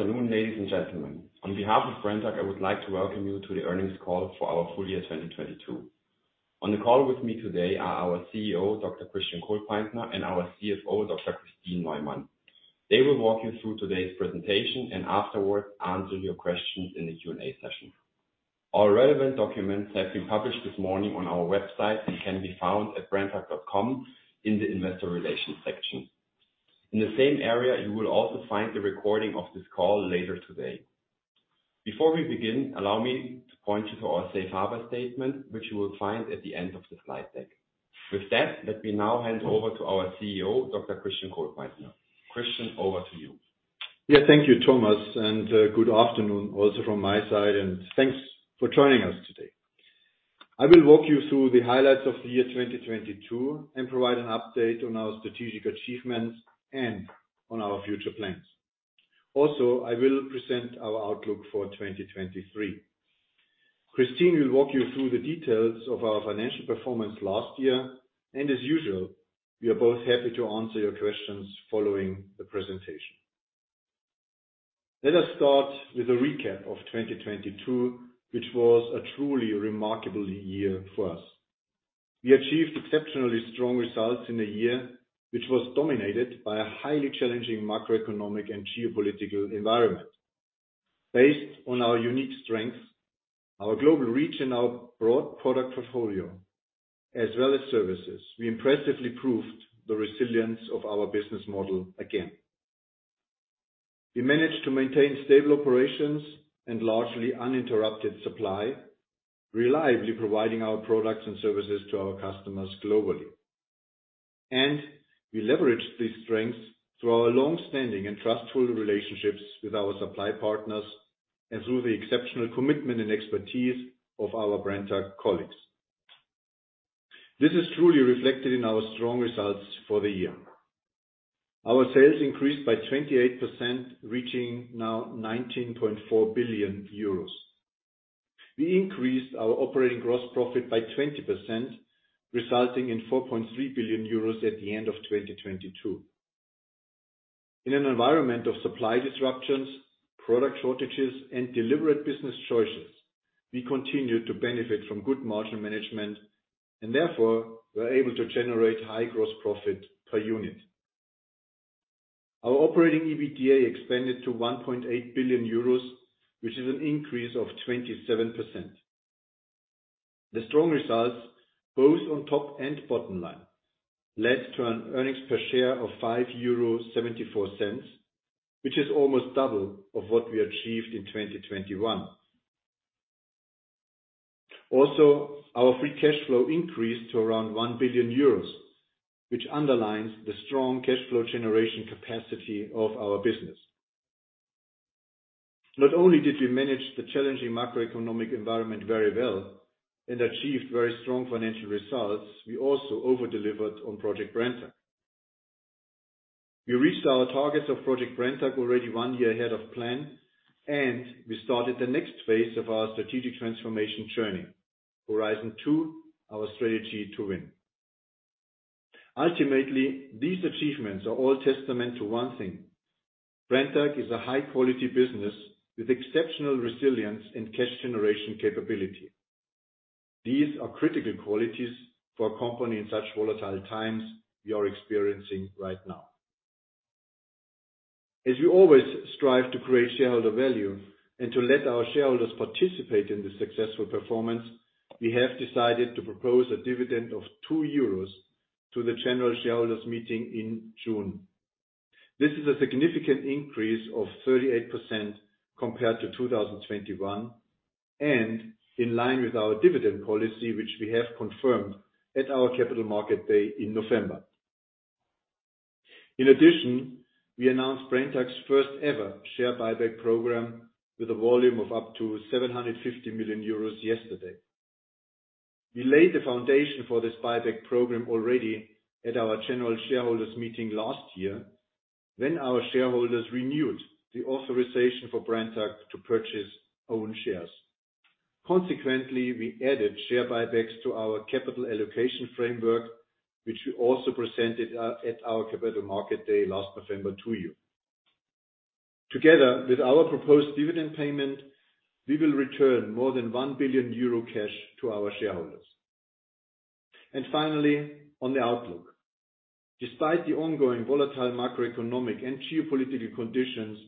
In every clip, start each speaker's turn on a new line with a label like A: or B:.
A: Afternoon, ladies and gentlemen. On behalf of Brenntag, I would like to welcome you to the earnings call for our full year 2022. On the call with me today are our CEO, Dr. Christian Kohlpaintner, and our CFO, Dr. Kristin Neumann. They will walk you through today's presentation and afterwards answer your questions in the Q&A session. All relevant documents have been published this morning on our website, and can be found at brenntag.com in the Investor Relations section. In the same area, you will also find the recording of this call later today. Before we begin, allow me to point you to our safe harbor statement, which you will find at the end of the slide deck. With that, let me now hand over to our CEO, Dr. Christian Kohlpaintner. Christian, over to you.
B: Yeah. Thank you, Thomas, good afternoon also from my side, and thanks for joining us today. I will walk you through the highlights of the year 2022 and provide an update on our strategic achievements and on our future plans. Also, I will present our outlook for 2023. Kristin will walk you through the details of our financial performance last year. As usual, we are both happy to answer your questions following the presentation. Let us start with a recap of 2022, which was a truly remarkable year for us. We achieved exceptionally strong results in a year which was dominated by a highly challenging macroeconomic and geopolitical environment. Based on our unique strengths, our global reach, and our broad product portfolio as well as services, we impressively proved the resilience of our business model again. We managed to maintain stable operations and largely uninterrupted supply, reliably providing our products and services to our customers globally. We leveraged these strengths through our long-standing and trustful relationships with our supply partners and through the exceptional commitment and expertise of our Brenntag colleagues. This is truly reflected in our strong results for the year. Our sales increased by 28%, reaching now 19.4 billion euros. We increased our operating gross profit by 20%, resulting in 4.3 billion euros at the end of 2022. In an environment of supply disruptions, product shortages, and deliberate business choices, we continued to benefit from good margin management, and therefore were able to generate high gross profit per unit. Our operating EBITDA expanded to 1.8 billion euros, which is an increase of 27%. The strong results, both on top and bottom line, led to an earnings per share of 5.74 euro, which is almost double of what we achieved in 2021. Our free cash flow increased to around 1 billion euros, which underlines the strong cash flow generation capacity of our business. Not only did we manage the challenging macroeconomic environment very well and achieved very strong financial results, we also over-delivered on Project Brenntag. We reached our targets of Project Brenntag already one year ahead of plan. We started the next phase of our strategic transformation journey, Horizon 2, our Strategy to Win. Ultimately, these achievements are all testament to one thing. Brenntag is a high-quality business with exceptional resilience and cash generation capability. These are critical qualities for a company in such volatile times we are experiencing right now. We always strive to create shareholder value and to let our shareholders participate in the successful performance, we have decided to propose a dividend of 2 euros to the general shareholders meeting in June. This is a significant increase of 38% compared to 2021, and in line with our dividend policy, which we have confirmed at our Capital Market Day in November. We announced Brenntag's first ever share buyback program with a volume of up to 750 million euros yesterday. We laid the foundation for this buyback program already at our general shareholders meeting last year when our shareholders renewed the authorization for Brenntag to purchase own shares. We added share buybacks to our capital allocation framework, which we also presented at our Capital Market Day last December to you. Together with our proposed dividend payment, we will return more than 1 billion euro cash to our shareholders. Finally, on the outlook. Despite the ongoing volatile macroeconomic and geopolitical conditions,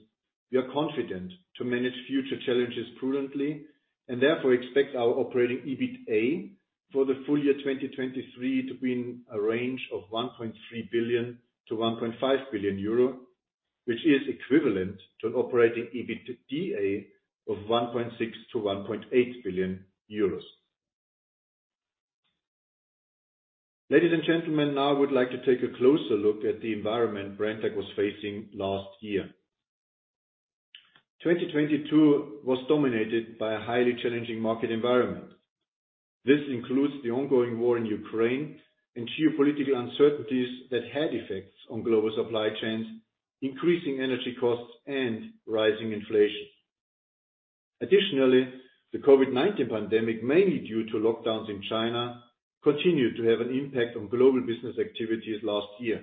B: we are confident to manage future challenges prudently, and therefore expect our operating EBITA for the full year 2023 to be in a range of 1.3 billion-1.5 billion euro, which is equivalent to an operating EBITDA of 1.6 billion-1.8 billion euros. Ladies and gentlemen, now I would like to take a closer look at the environment Brenntag was facing last year. 2022 was dominated by a highly challenging market environment. This includes the ongoing war in Ukraine and geopolitical uncertainties that had effects on global supply chains, increasing energy costs, and rising inflation. Additionally, the COVID-19 pandemic, mainly due to lockdowns in China, continued to have an impact on global business activities last year.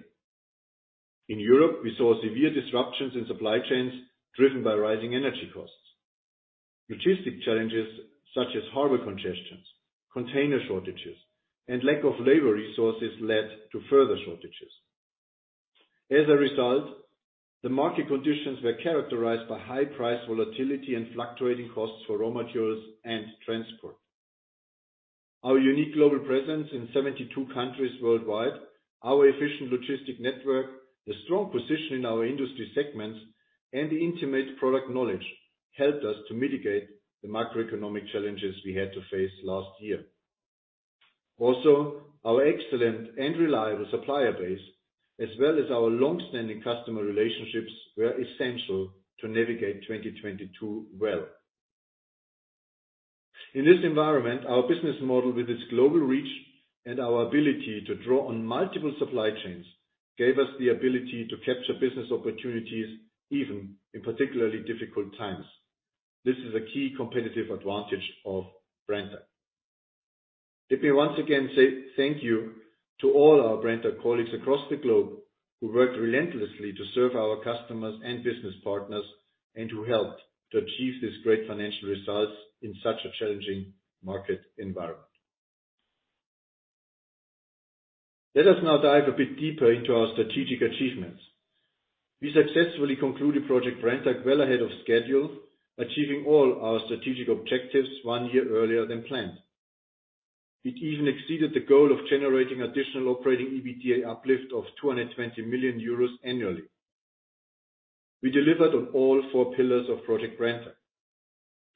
B: In Europe, we saw severe disruptions in supply chains driven by rising energy costs. Logistic challenges such as harbor congestions, container shortages, and lack of labor resources led to further shortages. As a result, the market conditions were characterized by high price volatility and fluctuating costs for raw materials and transport. Our unique global presence in 72 countries worldwide, our efficient logistic network, the strong position in our industry segments, and the intimate product knowledge helped us to mitigate the macroeconomic challenges we had to face last year. Our excellent and reliable supplier base, as well as our long-standing customer relationships, were essential to navigate 2022 well. In this environment, our business model with its global reach and our ability to draw on multiple supply chains gave us the ability to capture business opportunities even in particularly difficult times. This is a key competitive advantage of Brenntag. Let me once again say thank you to all our Brenntag colleagues across the globe who worked relentlessly to serve our customers and business partners and who helped to achieve these great financial results in such a challenging market environment. Let us now dive a bit deeper into our strategic achievements. We successfully concluded Project Brenntag well ahead of schedule, achieving all our strategic objectives one year earlier than planned. It even exceeded the goal of generating additional operating EBITDA uplift of 220 million euros annually. We delivered on all four pillars of Project Brenntag.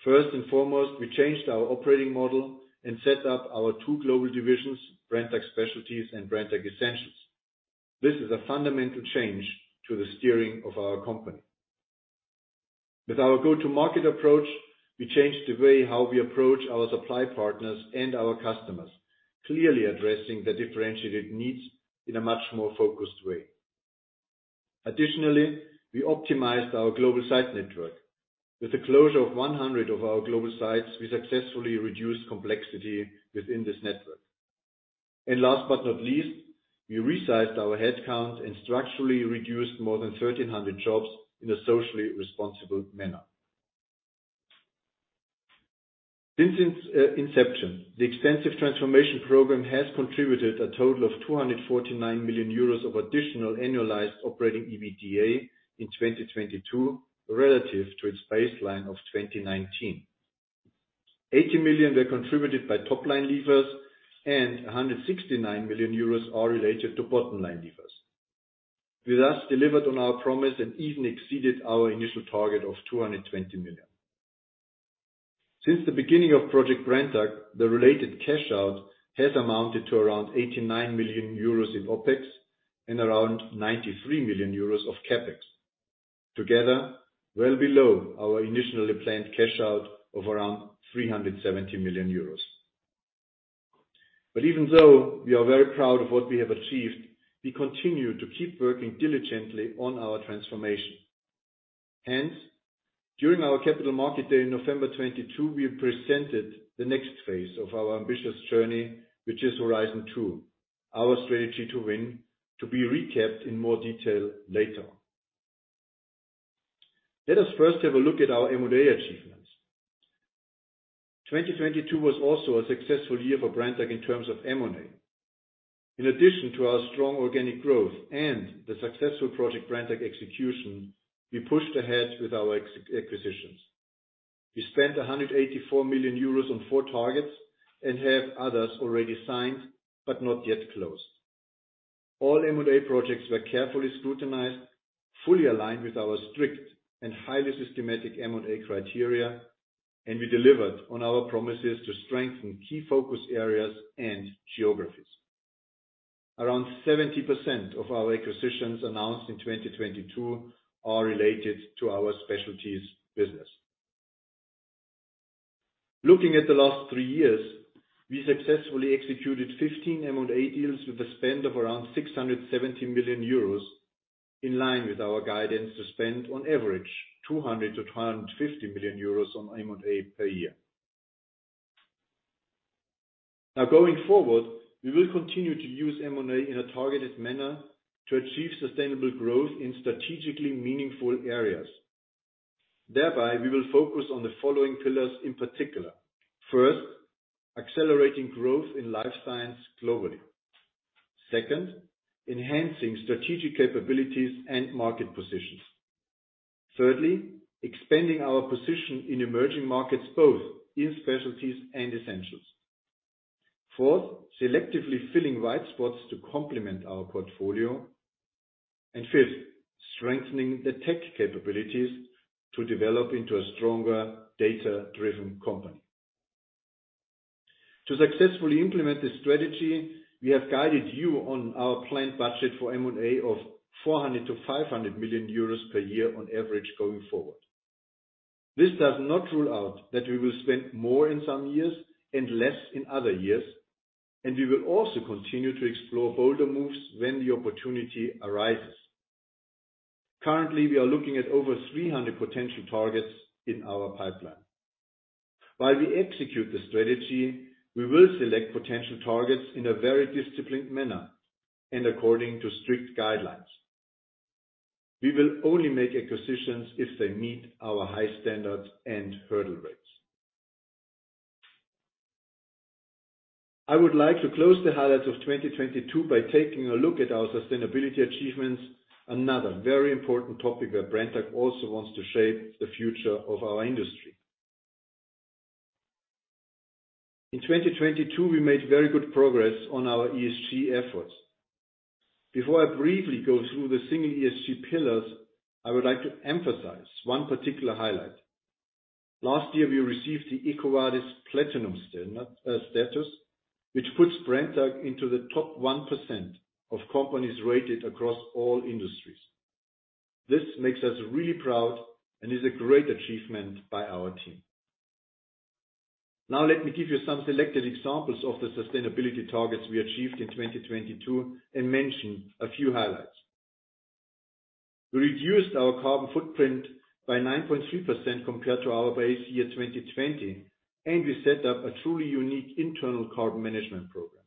B: First and foremost, we changed our operating model and set up our two global divisions, Brenntag Specialties and Brenntag Essentials. This is a fundamental change to the steering of our company. With our go-to-market approach, we changed the way how we approach our supply partners and our customers, clearly addressing their differentiated needs in a much more focused way. Additionally, we optimized our global site network. With the closure of 100 of our global sites, we successfully reduced complexity within this network. Last but not least, we resized our headcount and structurally reduced more than 1,300 jobs in a socially responsible manner. Since its inception, the extensive transformation program has contributed a total of 249 million euros of additional annualized operating EBITDA in 2022 relative to its baseline of 2019. 80 million were contributed by top-line levers and 169 million euros are related to bottom-line levers. We delivered on our promise and even exceeded our initial target of 220 million. Since the beginning of Project Brenntag, the related cash out has amounted to around 89 million euros in OpEx and around 93 million euros of CapEx. Well below our initially planned cash out of around 370 million euros. Even though we are very proud of what we have achieved, we continue to keep working diligently on our transformation. During our Capital Market Day in November 2022, we presented the next phase of our ambitious journey, which is Horizon 2, our Strategy to Win, to be recapped in more detail later. Let us first have a look at our M&A achievements. 2022 was also a successful year for Brenntag in terms of M&A. In addition to our strong organic growth and the successful Project Brenntag execution, we pushed ahead with our acquisitions. We spent 184 million euros on four targets and have others already signed but not yet closed. All M&A projects were carefully scrutinized, fully aligned with our strict and highly systematic M&A criteria, and we delivered on our promises to strengthen key focus areas and geographies. Around 70% of our acquisitions announced in 2022 are related to our Specialties business. Looking at the last three years, we successfully executed 15 M&A deals with a spend of around 670 million euros in line with our guidance to spend on average 200 million-250 million euros on M&A per year. Going forward, we will continue to use M&A in a targeted manner to achieve sustainable growth in strategically meaningful areas. Thereby, we will focus on the following pillars in particular. First, accelerating growth in Life Science globally. Second, enhancing strategic capabilities and market positions. Thirdly, expanding our position in emerging markets, both in Specialties and Essentials. Fourth, selectively filling white spots to complement our portfolio. Fifth, strengthening the tech capabilities to develop into a stronger data-driven company. To successfully implement this strategy, we have guided you on our planned budget for M&A of 400 million-500 million euros per year on average going forward. This does not rule out that we will spend more in some years and less in other years, and we will also continue to explore bolder moves when the opportunity arises. Currently, we are looking at over 300 potential targets in our pipeline. While we execute the strategy, we will select potential targets in a very disciplined manner and according to strict guidelines. We will only make acquisitions if they meet our high standards and hurdle rates. I would like to close the highlights of 2022 by taking a look at our sustainability achievements, another very important topic where Brenntag also wants to shape the future of our industry. In 2022, we made very good progress on our ESG efforts. Before I briefly go through the single ESG pillars, I would like to emphasize one particular highlight. Last year, we received the EcoVadis Platinum status, which puts Brenntag into the top 1% of companies rated across all industries. This makes us really proud and is a great achievement by our team. Let me give you some selected examples of the sustainability targets we achieved in 2022 and mention a few highlights. We reduced our carbon footprint by 9.3% compared to our base year 2020. We set up a truly unique internal carbon management program.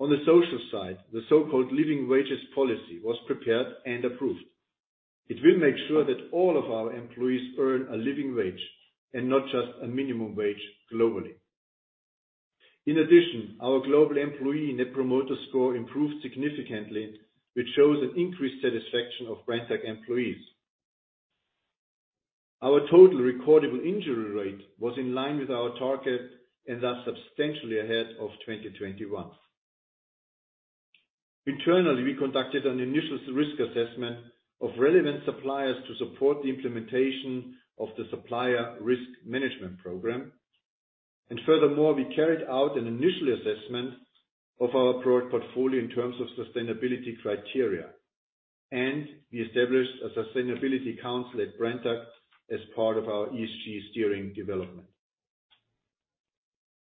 B: On the social side, the so-called Living Wage Policy was prepared and approved. It will make sure that all of our employees earn a living wage and not just a minimum wage globally. Our global employee Net Promoter Score improved significantly, which shows an increased satisfaction of Brenntag employees. Our total recordable injury rate was in line with our target and thus substantially ahead of 2021. Internally, we conducted an initial risk assessment of relevant suppliers to support the implementation of the supplier risk management program. Furthermore, we carried out an initial assessment of our product portfolio in terms of sustainability criteria, and we established a Sustainability Council at Brenntag as part of our ESG steering development.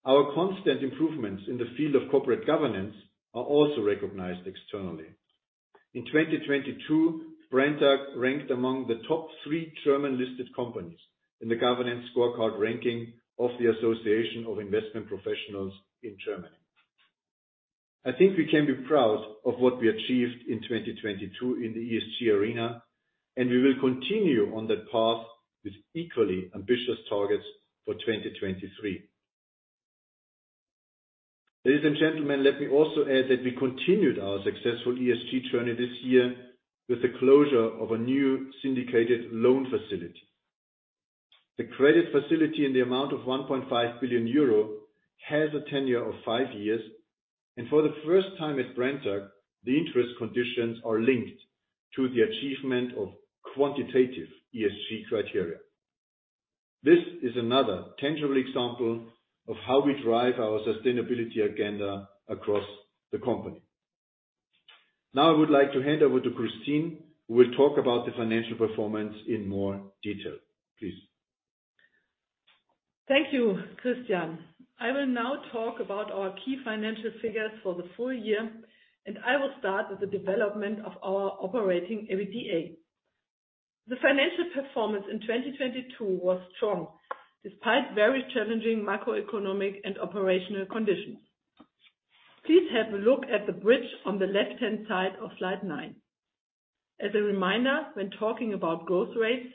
B: Our constant improvements in the field of corporate governance are also recognized externally. In 2022, Brenntag ranked among the top three German-listed companies in the governance scorecard ranking of the Society of Investment Professionals in Germany. I think we can be proud of what we achieved in 2022 in the ESG arena, and we will continue on that path with equally ambitious targets for 2023. Ladies and gentlemen, let me also add that we continued our successful ESG journey this year with the closure of a new syndicated loan facility. The credit facility in the amount of 1.5 billion euro has a tenure of five years, and for the first time at Brenntag, the interest conditions are linked to the achievement of quantitative ESG criteria. This is another tangible example of how we drive our sustainability agenda across the company. Now I would like to hand over to Kristin, who will talk about the financial performance in more detail. Please.
C: Thank you, Christian. I will now talk about our key financial figures for the full year, and I will start with the development of our operating EBITDA. The financial performance in 2022 was strong, despite very challenging macroeconomic and operational conditions. Please have a look at the bridge on the left-hand side of slide nine. As a reminder, when talking about growth rates,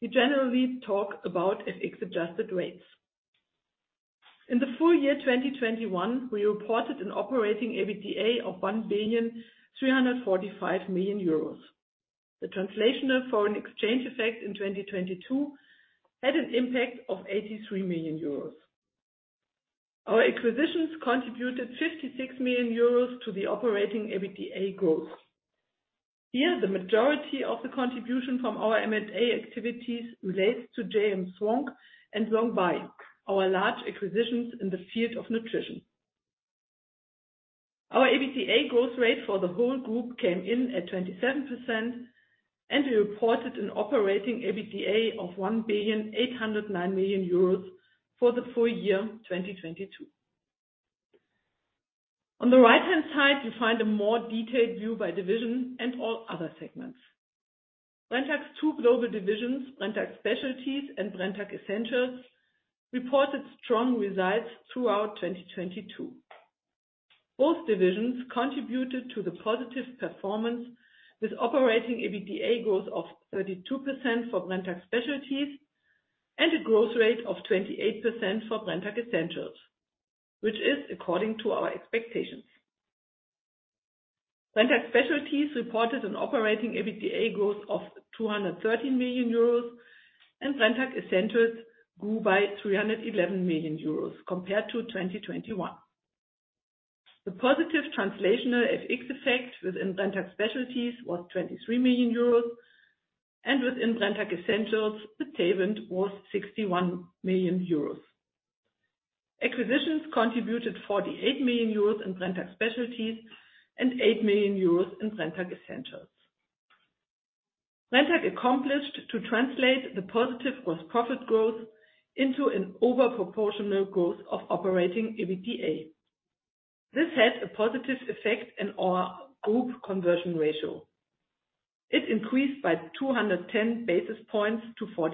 C: we generally talk about FX-adjusted rates. In the full year 2021, we reported an operating EBITDA of 1.345 billion. The translational foreign exchange effect in 2022 had an impact of 83 million euros. Our acquisitions contributed 56 million euros to the operating EBITDA growth. Here, the majority of the contribution from our M&A activities relates to JM Swank and Zhongbai, our large acquisitions in the field of nutrition. Our EBITDA growth rate for the whole group came in at 27%. We reported an operating EBITDA of 1.809 billion euros for the full year 2022. On the right-hand side, you find a more detailed view by division and all other segments. Brenntag's two global divisions, Brenntag Specialties and Brenntag Essentials, reported strong results throughout 2022. Both divisions contributed to the positive performance with operating EBITDA growth of 32% for Brenntag Specialties and a growth rate of 28% for Brenntag Essentials, which is according to our expectations. Brenntag Specialties reported an operating EBITDA growth of 213 million euros and Brenntag Essentials grew by 311 million euros compared to 2021. The positive translational FX effect within Brenntag Specialties was 23 million euros and within Brenntag Essentials, the tailwind was 61 million euros. Acquisitions contributed 48 million euros in Brenntag Specialties and 8 million euros in Brenntag Essentials. Brenntag accomplished to translate the positive gross profit growth into an overproportional growth of operating EBITDA. This has a positive effect in our group conversion ratio. It increased by 210 basis points to 42%.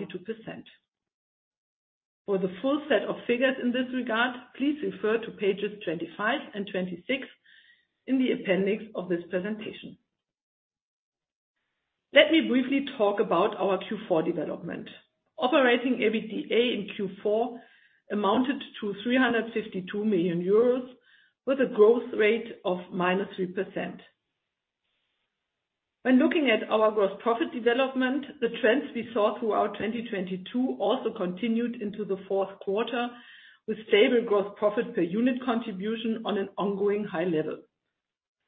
C: For the full set of figures in this regard, please refer to pages 25 and 26 in the appendix of this presentation. Let me briefly talk about our Q4 development. Operating EBITDA in Q4 amounted to 352 million euros, with a growth rate of -3%. When looking at our gross profit development, the trends we saw throughout 2022 also continued into the fourth quarter, with stable gross profit per unit contribution on an ongoing high level.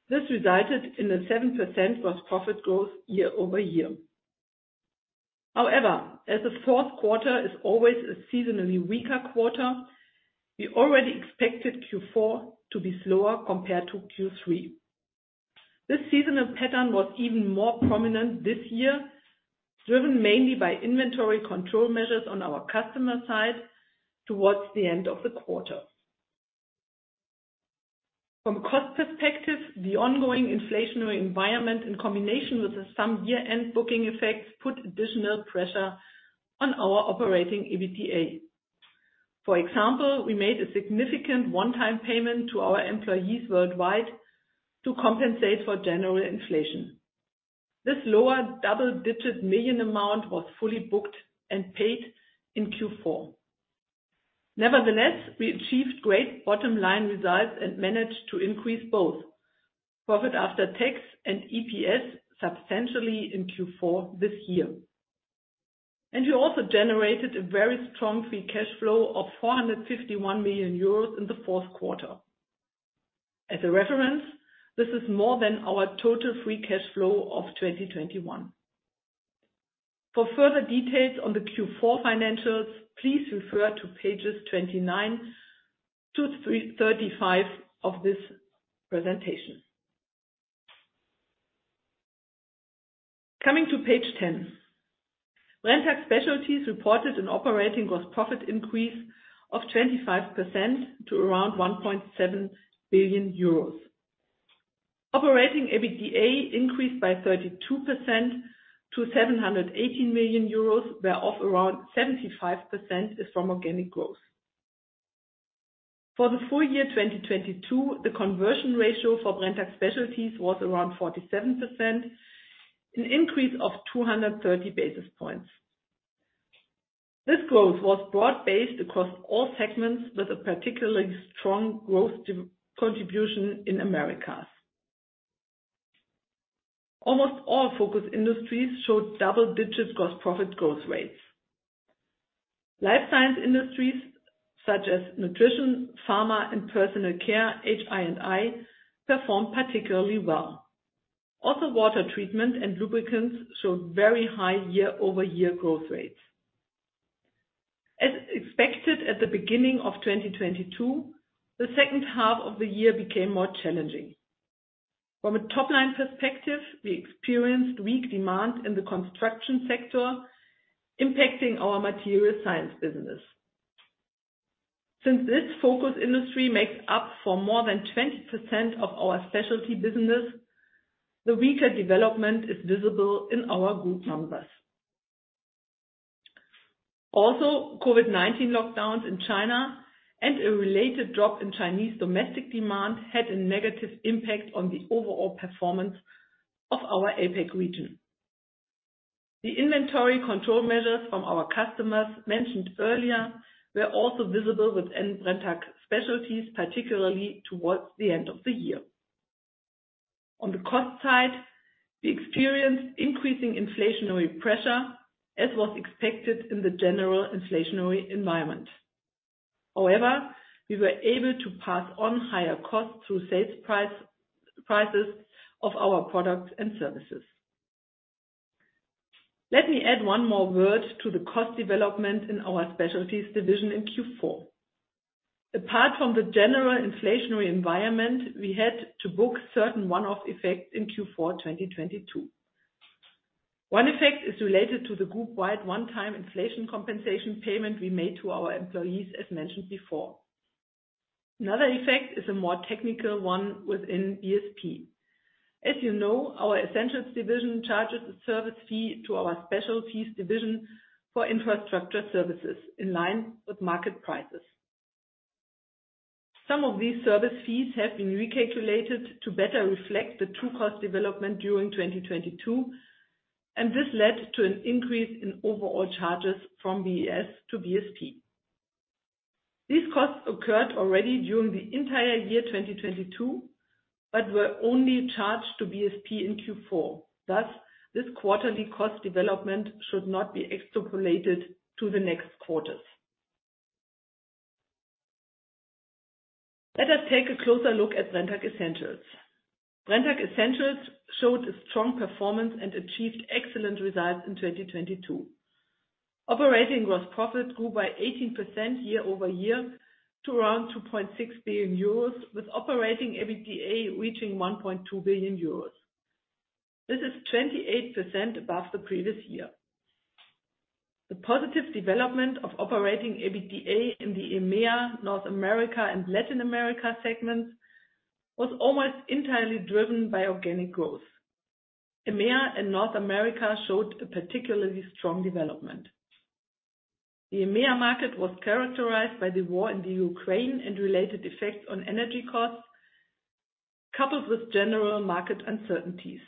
C: This resulted in a 7% gross profit growth year-over-year. However, as the fourth quarter is always a seasonally weaker quarter, we already expected Q4 to be slower compared to Q3. This seasonal pattern was even more prominent this year, driven mainly by inventory control measures on our customer side towards the end of the quarter. From cost perspective, the ongoing inflationary environment in combination with some year-end booking effects, put additional pressure on our operating EBITDA. For example, we made a significant one-time payment to our employees worldwide to compensate for general inflation. This lower double-digit million amount was fully booked and paid in Q4. Nevertheless, we achieved great bottom line results and managed to increase both profit after tax and EPS substantially in Q4 this year. We also generated a very strong free cash flow of 451 million euros in the fourth quarter. As a reference, this is more than our total free cash flow of 2021. For further details on the Q4 financials, please refer to pages 29 to 35 of this presentation. Coming to page 10. Brenntag Specialties reported an operating gross profit increase of 25% to around 1.7 billion euros. Operating EBITDA increased by 32% to 718 million euros, where of around 75% is from organic growth. For the full year 2022, the conversion ratio for Brenntag Specialties was around 47%, an increase of 230 basis points. This growth was broad-based across all segments with a particularly strong growth contribution in Americas. Almost all focus industries showed double-digit gross profit growth rates. Life science industries such as nutrition, pharma and personal care, HI&I performed particularly well. Also, water treatment and lubricants showed very high year-over-year growth rates. As expected at the beginning of 2022, the second half of the year became more challenging. From a top line perspective, we experienced weak demand in the construction sector impacting our material science business. Since this focus industry makes up for more than 20% of our specialty business, the weaker development is visible in our group numbers. COVID-19 lockdowns in China and a related drop in Chinese domestic demand had a negative impact on the overall performance of our APAC region. The inventory control measures from our customers mentioned earlier were also visible within Brenntag Specialties, particularly towards the end of the year. On the cost side, we experienced increasing inflationary pressure as was expected in the general inflationary environment. We were able to pass on higher costs through sales price, prices of our products and services. Let me add one more word to the cost development in our Specialties division in Q4. Apart from the general inflationary environment, we had to book certain one-off effects in Q4 2022. One effect is related to the group-wide one-time inflation compensation payment we made to our employees, as mentioned before. Another effect is a more technical one within BSP. As you know, our Essentials division charges a service fee to our Specialties division for infrastructure services in line with market prices. Some of these service fees have been recalculated to better reflect the true cost development during 2022, and this led to an increase in overall charges from BS to BSP. These costs occurred already during the entire year, 2022, but were only charged to BSP in Q4. Thus, this quarterly cost development should not be extrapolated to the next quarters. Let us take a closer look at Brenntag Essentials. Brenntag Essentials showed a strong performance and achieved excellent results in 2022. Operating gross profit grew by 18% year-over-year to around 2.6 billion euros, with operating EBITDA reaching 1.2 billion euros. This is 28% above the previous year. The positive development of operating EBITDA in the EMEA, North America, and Latin America segments was almost entirely driven by organic growth. EMEA and North America showed a particularly strong development. The EMEA market was characterized by the war in the Ukraine and related effects on energy costs, coupled with general market uncertainties.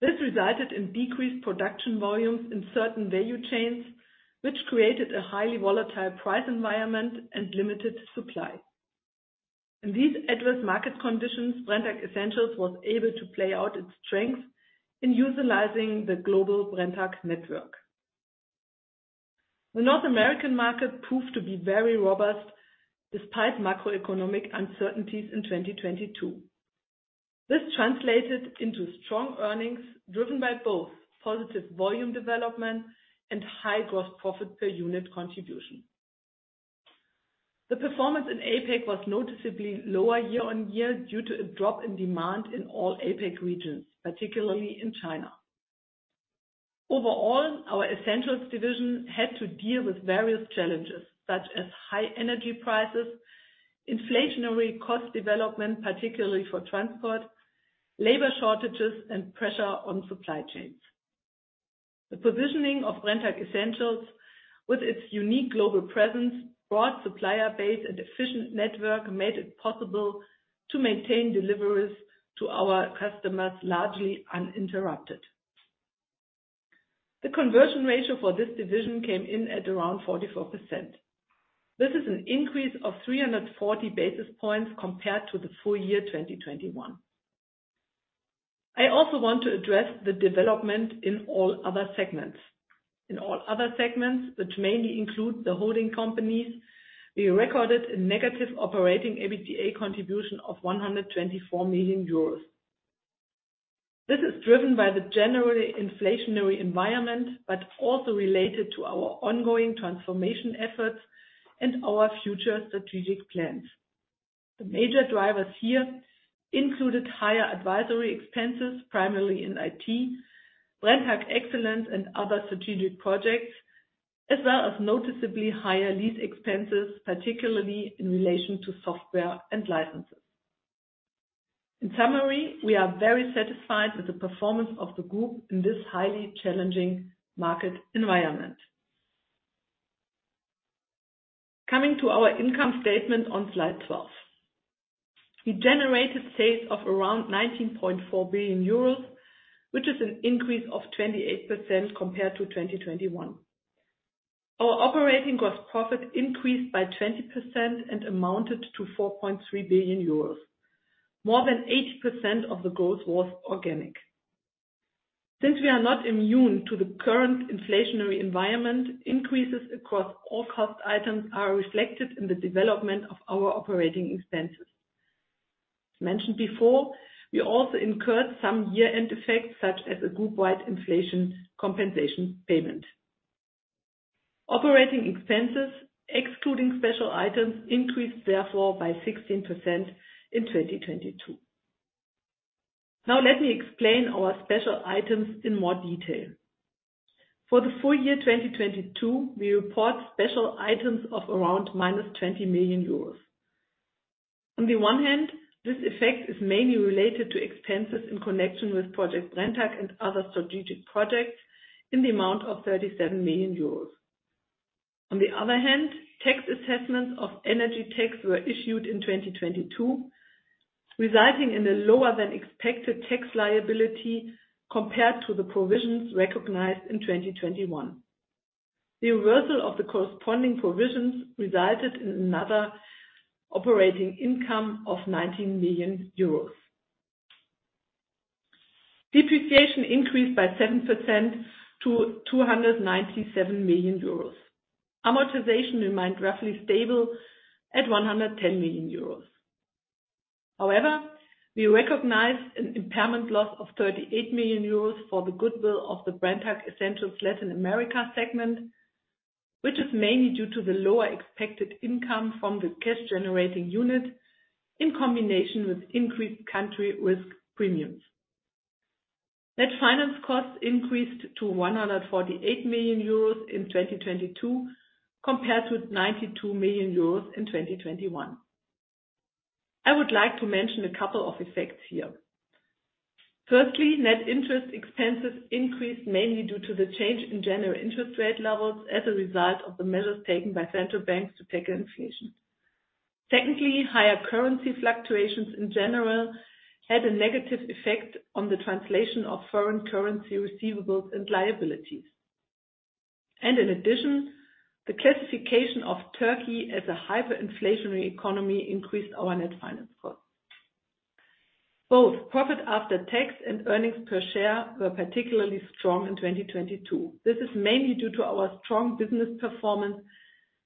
C: This resulted in decreased production volumes in certain value chains, which created a highly volatile price environment and limited supply. In these adverse market conditions, Brenntag Essentials was able to play out its strengths in utilizing the global Brenntag network. The North American market proved to be very robust despite macroeconomic uncertainties in 2022. This translated into strong earnings driven by both positive volume development and high gross profit per unit contribution. The performance in APAC was noticeably lower year-over-year due to a drop in demand in all APAC regions, particularly in China. Overall, our Essentials division had to deal with various challenges such as high energy prices, inflationary cost development, particularly for transport, labor shortages and pressure on supply chains. The positioning of Brenntag Essentials with its unique global presence, broad supplier base, and efficient network, made it possible to maintain deliveries to our customers largely uninterrupted. The conversion ratio for this division came in at around 44%. This is an increase of 340 basis points compared to the full year 2021. I also want to address the development in all other segments. In all other segments, which mainly include the holding companies, we recorded a negative operating EBITDA contribution of 124 million euros. This is driven by the general inflationary environment, also related to our ongoing transformation efforts and our future strategic plans. The major drivers here included higher advisory expenses, primarily in IT, Brenntag Excellence and other strategic projects, as well as noticeably higher lease expenses, particularly in relation to software and licenses. In summary, we are very satisfied with the performance of the group in this highly challenging market environment. Coming to our income statement on slide 12. We generated sales of around 19.4 billion euros, which is an increase of 28% compared to 2021. Our operating gross profit increased by 20% and amounted to 4.3 billion euros. More than 80% of the growth was organic. Since we are not immune to the current inflationary environment, increases across all cost items are reflected in the development of our operating expenses. Mentioned before, we also incurred some year-end effects, such as a group-wide inflation compensation payment. Operating expenses, excluding special items, increased therefore by 16% in 2022. Now let me explain our special items in more detail. For the full year 2022, we report special items of around minus 20 million euros. On the one hand, this effect is mainly related to expenses in connection with Project Brenntag and other strategic projects in the amount of 37 million euros. On the other hand, tax assessments of energy tax were issued in 2022, resulting in a lower than expected tax liability compared to the provisions recognized in 2021. The reversal of the corresponding provisions resulted in another operating income of EUR 19 million. Depreciation increased by 7% to 297 million euros. Amortization remained roughly stable at 110 million euros. However, we recognized an impairment loss of 38 million euros for the goodwill of the Brenntag Essentials Latin America segment, which is mainly due to the lower expected income from the cash-generating unit in combination with increased country risk premiums. Net finance costs increased to 148 million euros in 2022 compared with 92 million euros in 2021. I would like to mention a couple of effects here. Firstly, net interest expenses increased mainly due to the change in general interest rate levels as a result of the measures taken by central banks to tackle inflation. Higher currency fluctuations in general had a negative effect on the translation of foreign currency receivables and liabilities. In addition, the classification of Turkey as a hyperinflationary economy increased our net finance cost. Both profit after tax and earnings per share were particularly strong in 2022. This is mainly due to our strong business performance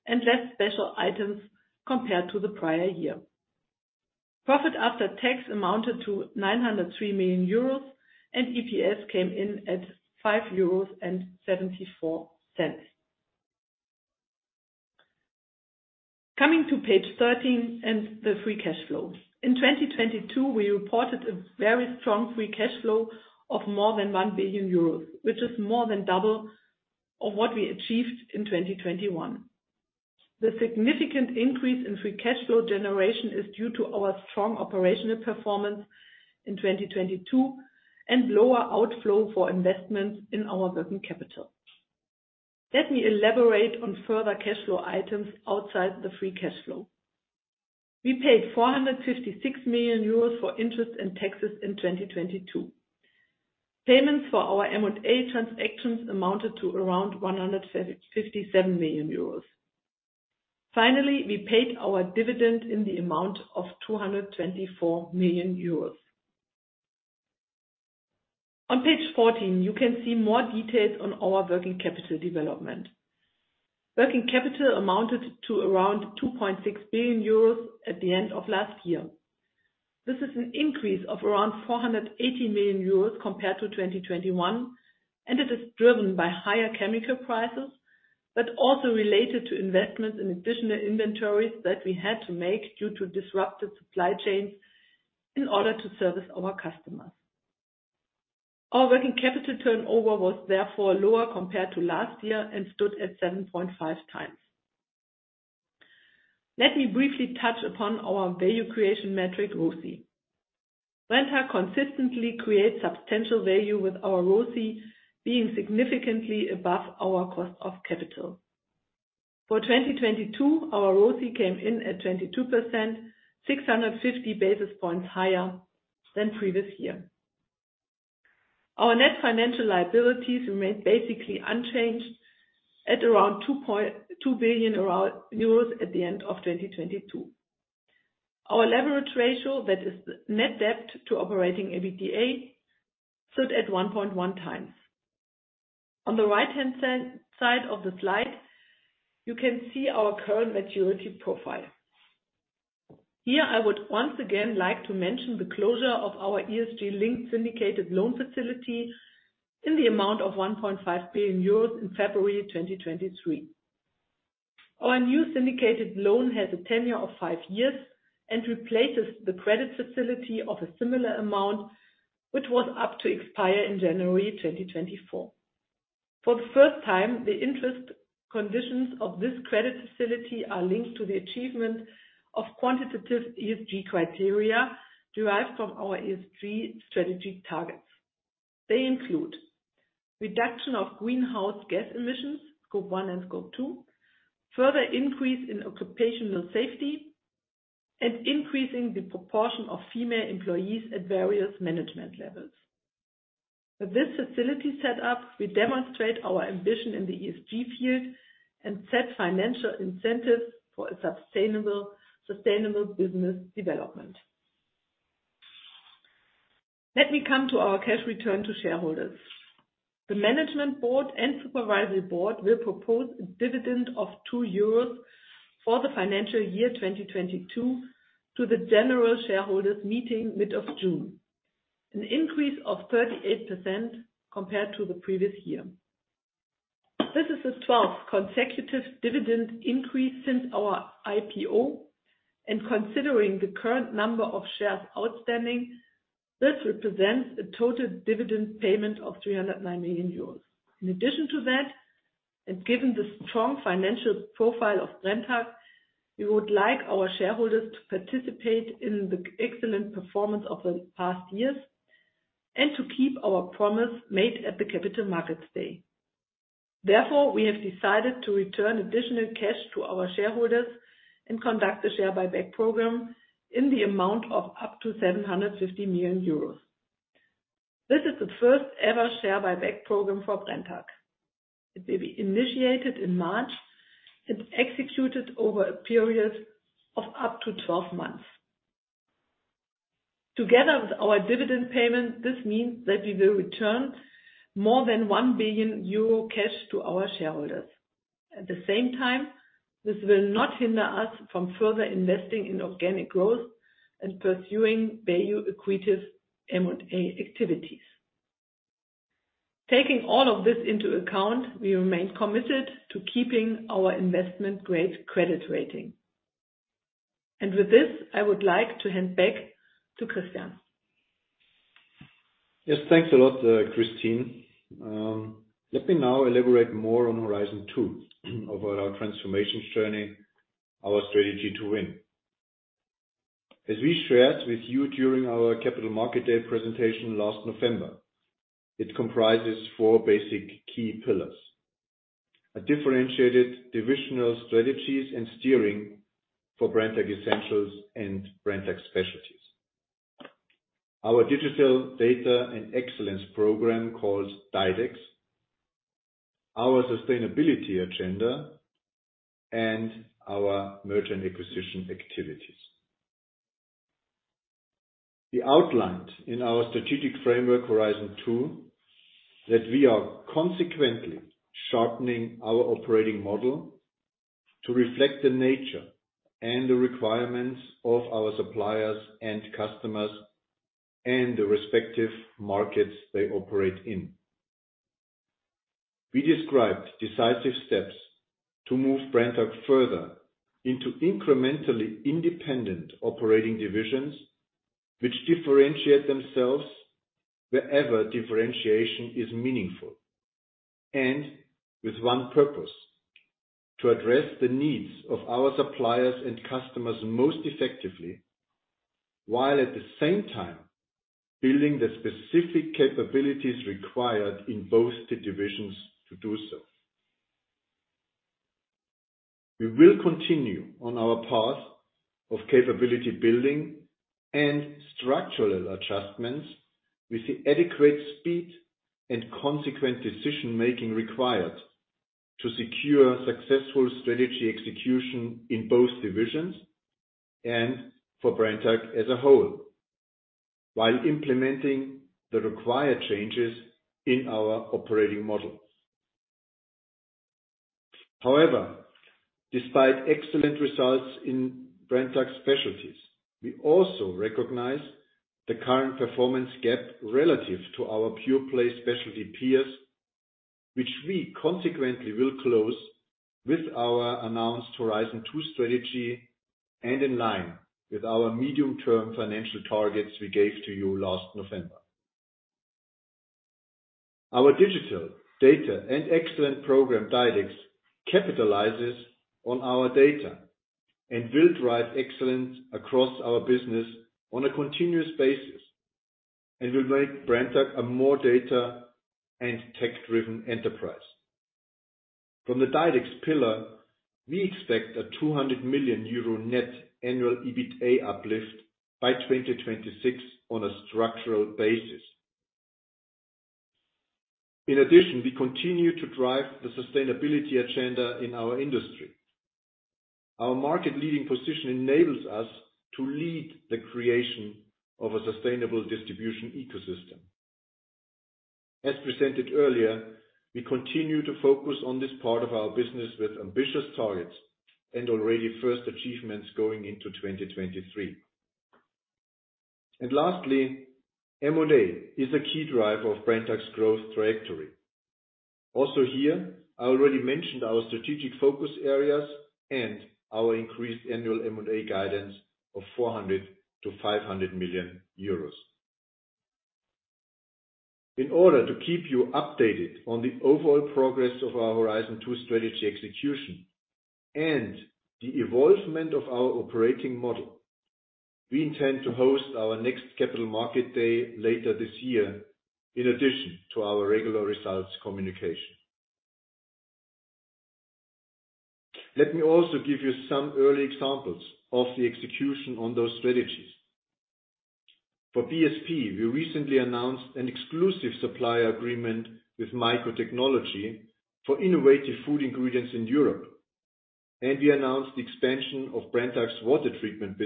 C: and less special items compared to the prior year. Profit after tax amounted to 903 million euros, and EPS came in at 5.74 euros. Coming to page 13 and the free cash flows. In 2022, we reported a very strong free cash flow of more than 1 billion euros, which is more than double of what we achieved in 2021. The significant increase in free cash flow generation is due to our strong operational performance in 2022 and lower outflow for investments in our working capital. Let me elaborate on further cash flow items outside the free cash flow. We paid 456 million euros for interest and taxes in 2022. Payments for our M&A transactions amounted to around 157 million euros. Finally, we paid our dividend in the amount of 224 million euros. On page 14, you can see more details on our working capital development. Working capital amounted to around 2.6 billion euros at the end of last year. This is an increase of around 480 million euros compared to 2021, and it is driven by higher chemical prices, but also related to investments in additional inventories that we had to make due to disrupted supply chains in order to service our customers. Our working capital turnover was therefore lower compared to last year and stood at 7.5x. Let me briefly touch upon our value creation metric, ROCE. Brenntag consistently creates substantial value with our ROCE being significantly above our cost of capital. For 2022, our ROCE came in at 22%, 650 basis points higher than previous year. Our net financial liabilities remained basically unchanged at around 2.2 billion euros at the end of 2022. Our leverage ratio, that is net debt to operating EBITDA, stood at 1.1x. On the right-hand side of the slide, you can see our current maturity profile. Here, I would once again like to mention the closure of our ESG-linked syndicated loan facility in the amount of 1.5 billion euros in February 2023. Our new syndicated loan has a tenure of five years and replaces the credit facility of a similar amount, which was up to expire in January 2024. For the first time, the interest conditions of this credit facility are linked to the achievement of quantitative ESG criteria derived from our ESG strategy targets. They include reduction of greenhouse gas emissions, Scope 1 and Scope 2, further increase in occupational safety, and increasing the proportion of female employees at various management levels. With this facility set up, we demonstrate our ambition in the ESG field and set financial incentives for a sustainable business development. Let me come to our cash return to shareholders. The management board and supervisory board will propose a dividend of 2 euros for the financial year 2022 to the general shareholders meeting mid of June, an increase of 38% compared to the previous year. This is the 12th consecutive dividend increase since our IPO, and considering the current number of shares outstanding, this represents a total dividend payment of 309 million euros. In addition to that, and given the strong financial profile of Brenntag, we would like our shareholders to participate in the excellent performance of the past years and to keep our promise made at the Capital Market Day. Therefore, we have decided to return additional cash to our shareholders and conduct a share buyback program in the amount of up to 750 million euros. This is the first ever share buyback program for Brenntag. It will be initiated in March and executed over a period of up to 12 months. Together with our dividend payment, this means that we will return more than 1 billion euro cash to our shareholders. At the same time, this will not hinder us from further investing in organic growth and pursuing value accretive M&A activities. Taking all of this into account, we remain committed to keeping our investment-grade credit rating. With this, I would like to hand back to Christian.
B: Yes. Thanks a lot, Kristin. Let me now elaborate more on Horizon 2 over our transformation journey, our Strategy to Win. As we shared with you during our Capital Market Day presentation last November, it comprises four basic key pillars. A differentiated divisional strategies and steering for Brenntag Essentials and Brenntag Specialties. Our Digital Data and Excellence program called DiDEX, our sustainability agenda, and our merger and acquisition activities. We outlined in our strategic framework, Horizon 2, that we are consequently sharpening our operating model to reflect the nature and the requirements of our suppliers and customers and the respective markets they operate in. We described decisive steps to move Brenntag further into incrementally independent operating divisions, which differentiate themselves wherever differentiation is meaningful, and with one purpose, to address the needs of our suppliers and customers most effectively, while at the same time building the specific capabilities required in both the divisions to do so. We will continue on our path of capability building and structural adjustments with the adequate speed and consequent decision-making required to secure successful strategy execution in both divisions and for Brenntag as a whole, while implementing the required changes in our operating models. Despite excellent results in Brenntag Specialties, we also recognize the current performance gap relative to our pure-play specialty peers, which we consequently will close with our announced Horizon 2 strategy and in line with our medium-term financial targets we gave to you last November. Our digital data and excellent program, DiDEX, capitalizes on our data and will drive excellence across our business on a continuous basis and will make Brenntag a more data and tech-driven enterprise. From the DiDEX pillar, we expect a 200 million euro net annual EBITDA uplift by 2026 on a structural basis. We continue to drive the sustainability agenda in our industry. Our market-leading position enables us to lead the creation of a sustainable distribution ecosystem. As presented earlier, we continue to focus on this part of our business with ambitious targets and already first achievements going into 2023. Lastly, M&A is a key driver of Brenntag's growth trajectory. Here, I already mentioned our strategic focus areas and our increased annual M&A guidance of 400 million-500 million euros. In order to keep you updated on the overall progress of our Horizon 2 strategy execution and the evolvement of our operating model, we intend to host our next Capital Market Day later this year in addition to our regular results communication. Let me also give you some early examples of the execution on those strategies. For BSP, we recently announced an exclusive supplier agreement with MycoTechnology for innovative food ingredients in Europe. We announced the extension of Brenntag's water treatment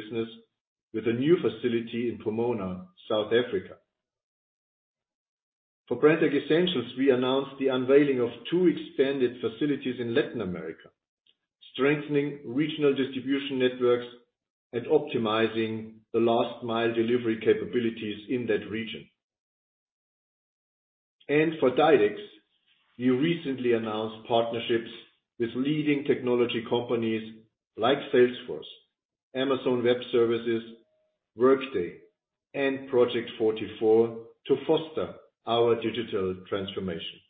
B: business with a new facility in Pomona, South Africa. For Brenntag Essentials, we announced the unveiling of two expanded facilities in Latin America, strengthening regional distribution networks and optimizing the last-mile delivery capabilities in that region. For DiDEX, we recently announced partnerships with leading technology companies like Salesforce, Amazon Web Services, Workday, and project44 to foster our digital transformation.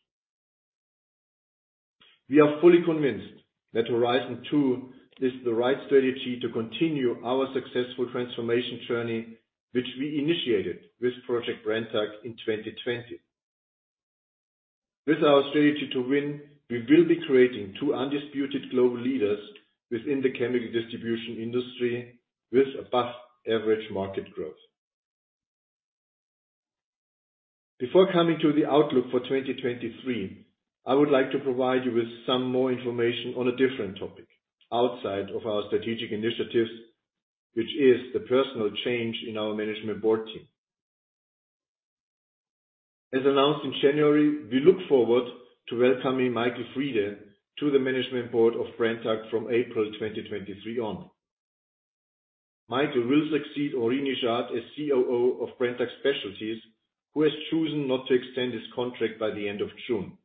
B: We are fully convinced that Horizon 2 is the right strategy to continue our successful transformation journey, which we initiated with Project Brenntag in 2020. With our Strategy to Win, we will be creating 2 undisputed global leaders within the chemical distribution industry with above-average market growth. Before coming to the outlook for 2023, I would like to provide you with some more information on a different topic outside of our strategic initiatives, which is the personal change in our management board team. As announced in January, we look forward to welcoming Michael Friede to the management board of Brenntag from April 2023 on. Michael will succeed Henri Nejade as COO of Brenntag Specialties, who has chosen not to extend his contract by the end of June.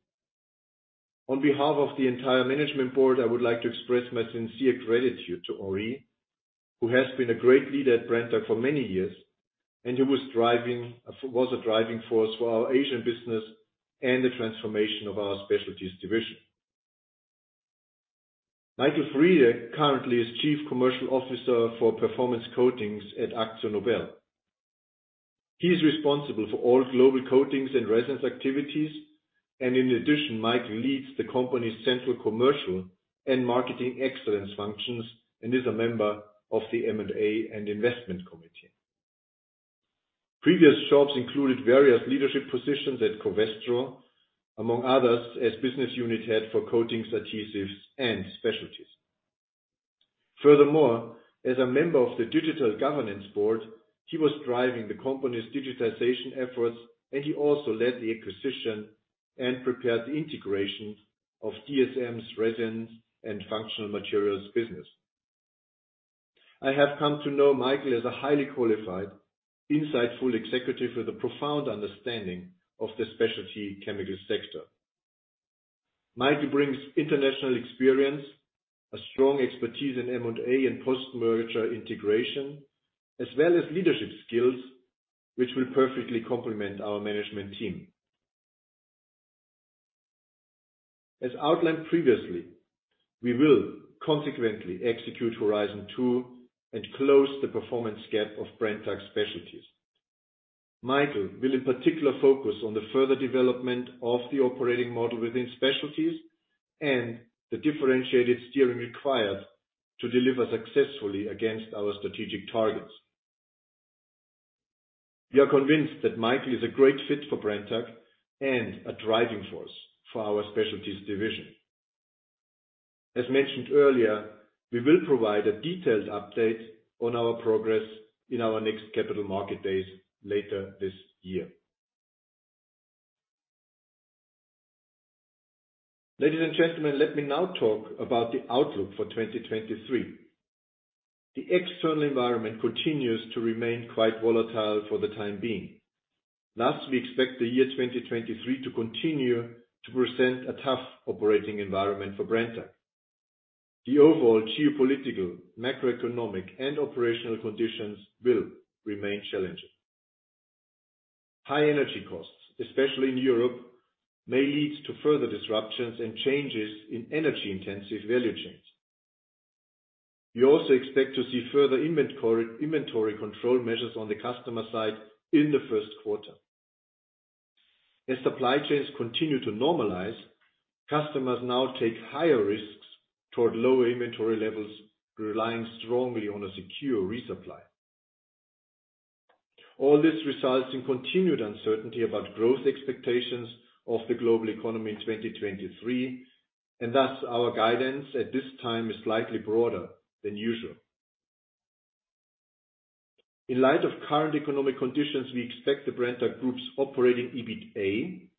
B: On behalf of the entire management board, I would like to express my sincere gratitude to Henri, who has been a great leader at Brenntag for many years, and who was a driving force for our Asian business and the transformation of our specialties division. Michael Friede currently is Chief Commercial Officer for Performance Coatings at AkzoNobel. He is responsible for all global coatings and resins activities, and in addition, Michael leads the company's central commercial and marketing excellence functions and is a member of the M&A and Investment Committee. Previous jobs included various leadership positions at Covestro, among others, as Business Unit Head for Coatings, Adhesives, and Specialties. Furthermore, as a member of the Digital Governance Board, he was driving the company's digitization efforts. He also led the acquisition and prepared the integrations of DSM's Resins and Functional Materials business. I have come to know Michael as a highly qualified, insightful executive with a profound understanding of the specialty chemicals sector. Michael brings international experience, a strong expertise in M&A and post-merger integration, as well as leadership skills, which will perfectly complement our management team. As outlined previously, we will consequently execute Horizon 2 and close the performance gap of Brenntag Specialties. Michael will in particular focus on the further development of the operating model within Specialties and the differentiated steering required to deliver successfully against our strategic targets. We are convinced that Michael is a great fit for Brenntag and a driving force for our Specialties division. As mentioned earlier, we will provide a detailed update on our progress in our next Capital Market Day later this year. Ladies and gentlemen, let me now talk about the outlook for 2023. The external environment continues to remain quite volatile for the time being. We expect the year 2023 to continue to present a tough operating environment for Brenntag. The overall geopolitical, macroeconomic, and operational conditions will remain challenging. High energy costs, especially in Europe, may lead to further disruptions and changes in energy-intensive value chains. We also expect to see further inventory control measures on the customer side in the first quarter. Supply chains continue to normalize, customers now take higher risks toward lower inventory levels, relying strongly on a secure resupply. All this results in continued uncertainty about growth expectations of the global economy in 2023, and thus our guidance at this time is slightly broader than usual. In light of current economic conditions, we expect the Brenntag Group's operating EBITA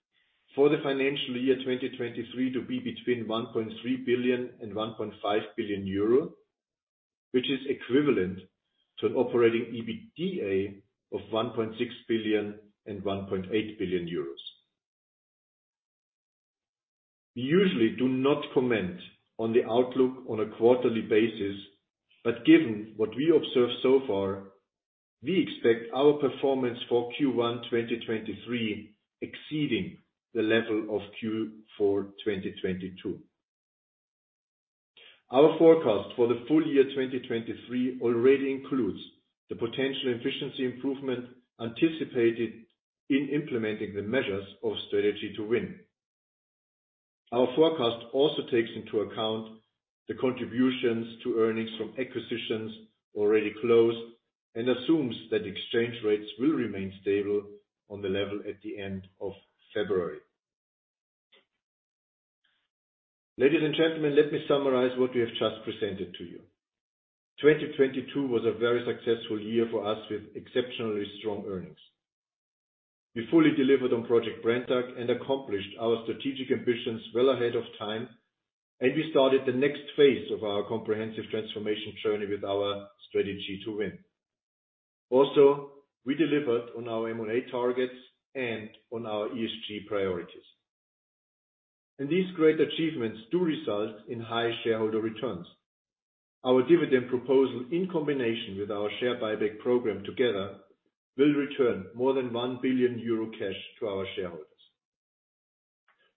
B: for the financial year 2023 to be between 1.3 billion and 1.5 billion euro, which is equivalent to an operating EBITDA of 1.6 billion and 1.8 billion euros. We usually do not comment on the outlook on a quarterly basis, but given what we observe so far, we expect our performance for Q1 2023 exceeding the level of Q4 2022. Our forecast for the full year 2023 already includes the potential efficiency improvement anticipated in implementing the measures of Strategy to Win. Our forecast also takes into account the contributions to earnings from acquisitions already closed and assumes that exchange rates will remain stable on the level at the end of February. Ladies and gentlemen, let me summarize what we have just presented to you. 2022 was a very successful year for us with exceptionally strong earnings. We fully delivered on Project Brenntag and accomplished our strategic ambitions well ahead of time. We started the next phase of our comprehensive transformation journey with our Strategy to Win. We delivered on our M&A targets and on our ESG priorities. These great achievements do result in high shareholder returns. Our dividend proposal, in combination with our share buyback program together, will return more than 1 billion euro cash to our shareholders.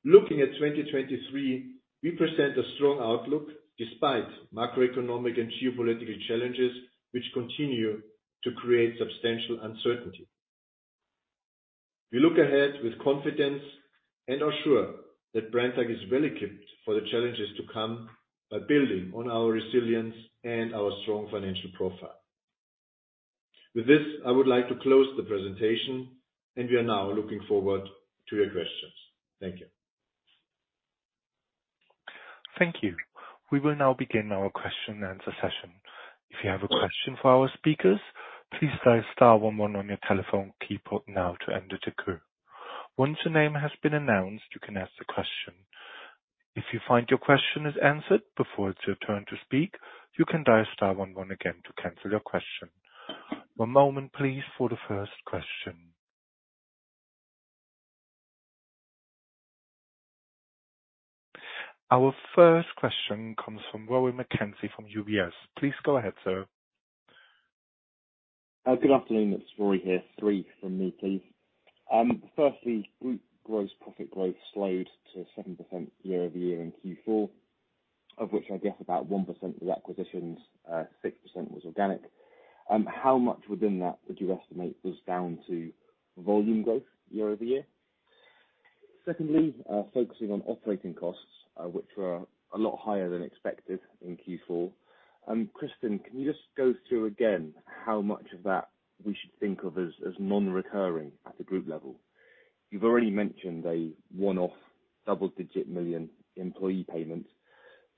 B: Looking at 2023, we present a strong outlook despite macroeconomic and geopolitical challenges which continue to create substantial uncertainty. We look ahead with confidence and are sure that Brenntag is well equipped for the challenges to come by building on our resilience and our strong financial profile. With this, I would like to close the presentation, we are now looking forward to your questions. Thank you.
D: Thank you. We will now begin our question and answer session. If you have a question for our speakers, please dial star one one on your telephone keypad now to enter the queue. Once your name has been announced, you can ask the question. If you find your question is answered before it's your turn to speak, you can dial star one one again to cancel your question. One moment please for the first question. Our first question comes from Rory McKenzie from UBS. Please go ahead, sir.
E: Good afternoon. It's Rory here. Three from me, please. Firstly, group gross profit growth slowed to 7% year-over-year in Q4, of which I guess about 1% was acquisitions, 6% was organic. How much within that would you estimate was down to volume growth year-over-year? Secondly, focusing on operating costs, which were a lot higher than expected in Q4, Christian, can you just go through again how much of that we should think of as non-recurring at the group level? You've already mentioned a one-off double-digit million employee payment,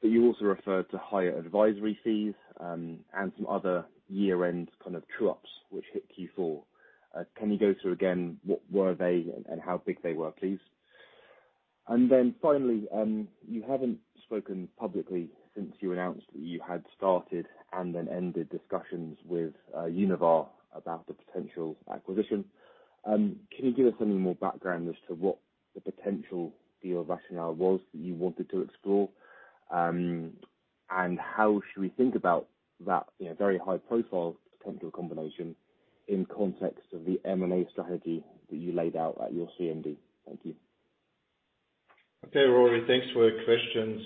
E: you also referred to higher advisory fees, and some other year-end kind of true-ups which hit Q4. Can you go through again, what were they and how big they were, please? Finally, you haven't spoken publicly since you announced that you had started and then ended discussions with Univar about the potential acquisition. Can you give us any more background as to what the potential deal rationale was that you wanted to explore? How should we think about that, you know, very high profile potential combination in context of the M&A strategy that you laid out at your CMD? Thank you.
B: Okay, Rory, thanks for your questions.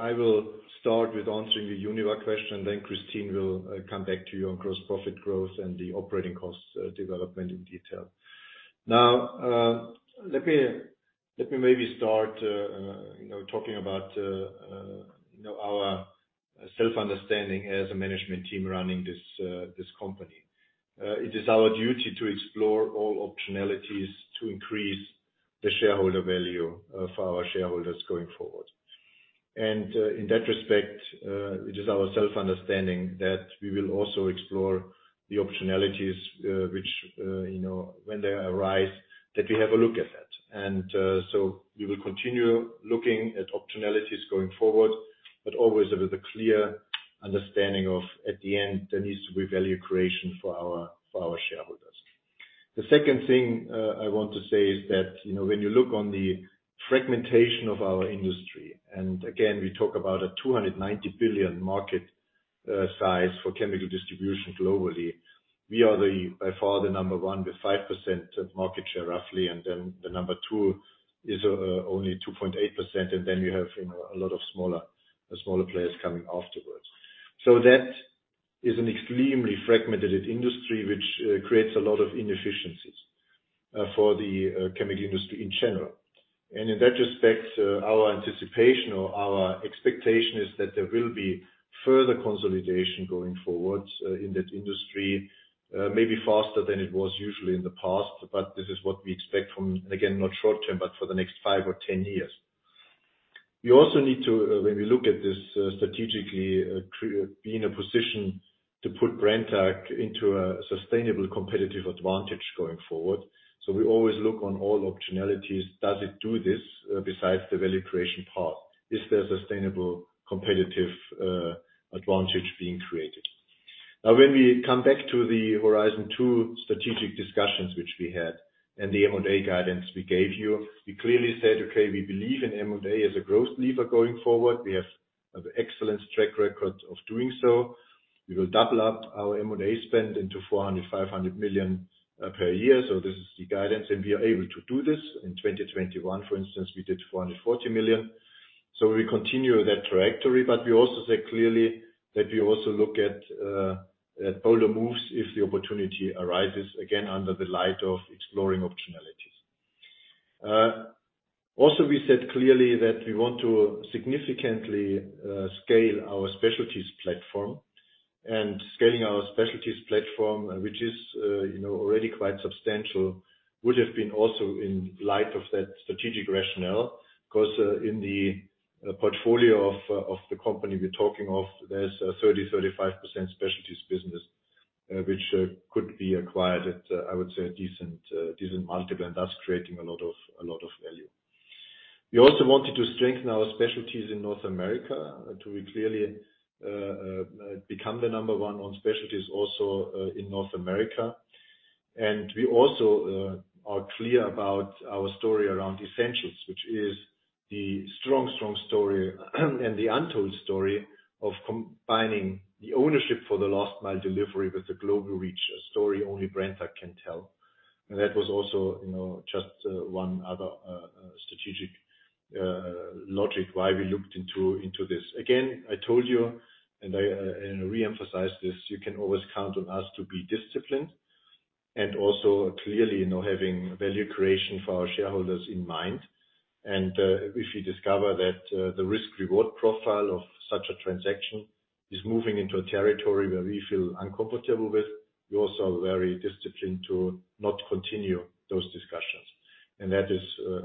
B: I will start with answering the Univar question, then Kristin will come back to you on gross profit growth and the operating cost development in detail. Now, let me maybe start, you know, talking about, you know, our self-understanding as a management team running this company. It is our duty to explore all optionalities to increase the shareholder value for our shareholders going forward. In that respect, it is our self-understanding that we will also explore the optionalities which, you know, when they arise, that we have a look at that. We will continue looking at optionalities going forward, but always with a clear understanding of at the end, there needs to be value creation for our shareholders. The second thing, I want to say is that, you know, when you look on the fragmentation of our industry. Again, we talk about a 290 billion market size for chemical distribution globally. We are the, by far, the number one with 5% of market share, roughly. Then the number two is only 2.8%. Then you have, you know, a lot of smaller players coming afterwards. That is an extremely fragmented industry, which creates a lot of inefficiencies for the chemical industry in general. In that respect, our anticipation or our expectation is that there will be further consolidation going forward in that industry, maybe faster than it was usually in the past. This is what we expect from, again, not short term, but for the next five or 10 years. We also need to, when we look at this, strategically, be in a position to put Brenntag into a sustainable competitive advantage going forward. We always look on all optionalities. Does it do this, besides the value creation part? Is there sustainable competitive advantage being created? When we come back to the Horizon 2 strategic discussions which we had and the M&A guidance we gave you, we clearly said, "Okay, we believe in M&A as a growth lever going forward. We have an excellent track record of doing so. We will double up our M&A spend into 400 million-500 million per year." This is the guidance, and we are able to do this. In 2021, for instance, we did 440 million. We continue that trajectory, but we also say clearly that we also look at bolder moves if the opportunity arises, again, under the light of exploring optionalities. Also, we said clearly that we want to significantly scale our Specialties platform. Scaling our Specialties platform, which is, you know, already quite substantial, would have been also in light of that strategic rationale. Cause in the portfolio of the company we're talking of, there's a 30%-35% Specialties business, which could be acquired at, I would say, a decent decent multiple, and thus creating a lot of value. We also wanted to strengthen our Specialties in North America to clearly become the number one on Specialties also in North America. We also are clear about our story around Essentials, which is the strong story and the untold story of combining the ownership for the last mile delivery with the global reach, a story only Brenntag can tell. That was also, you know, just one other strategic logic why we looked into this. Again, I told you and I reemphasize this, you can always count on us to be disciplined and also clearly, you know, having value creation for our shareholders in mind. If we discover that the risk reward profile of such a transaction is moving into a territory where we feel uncomfortable with, we're also very disciplined to not continue those discussions. That is,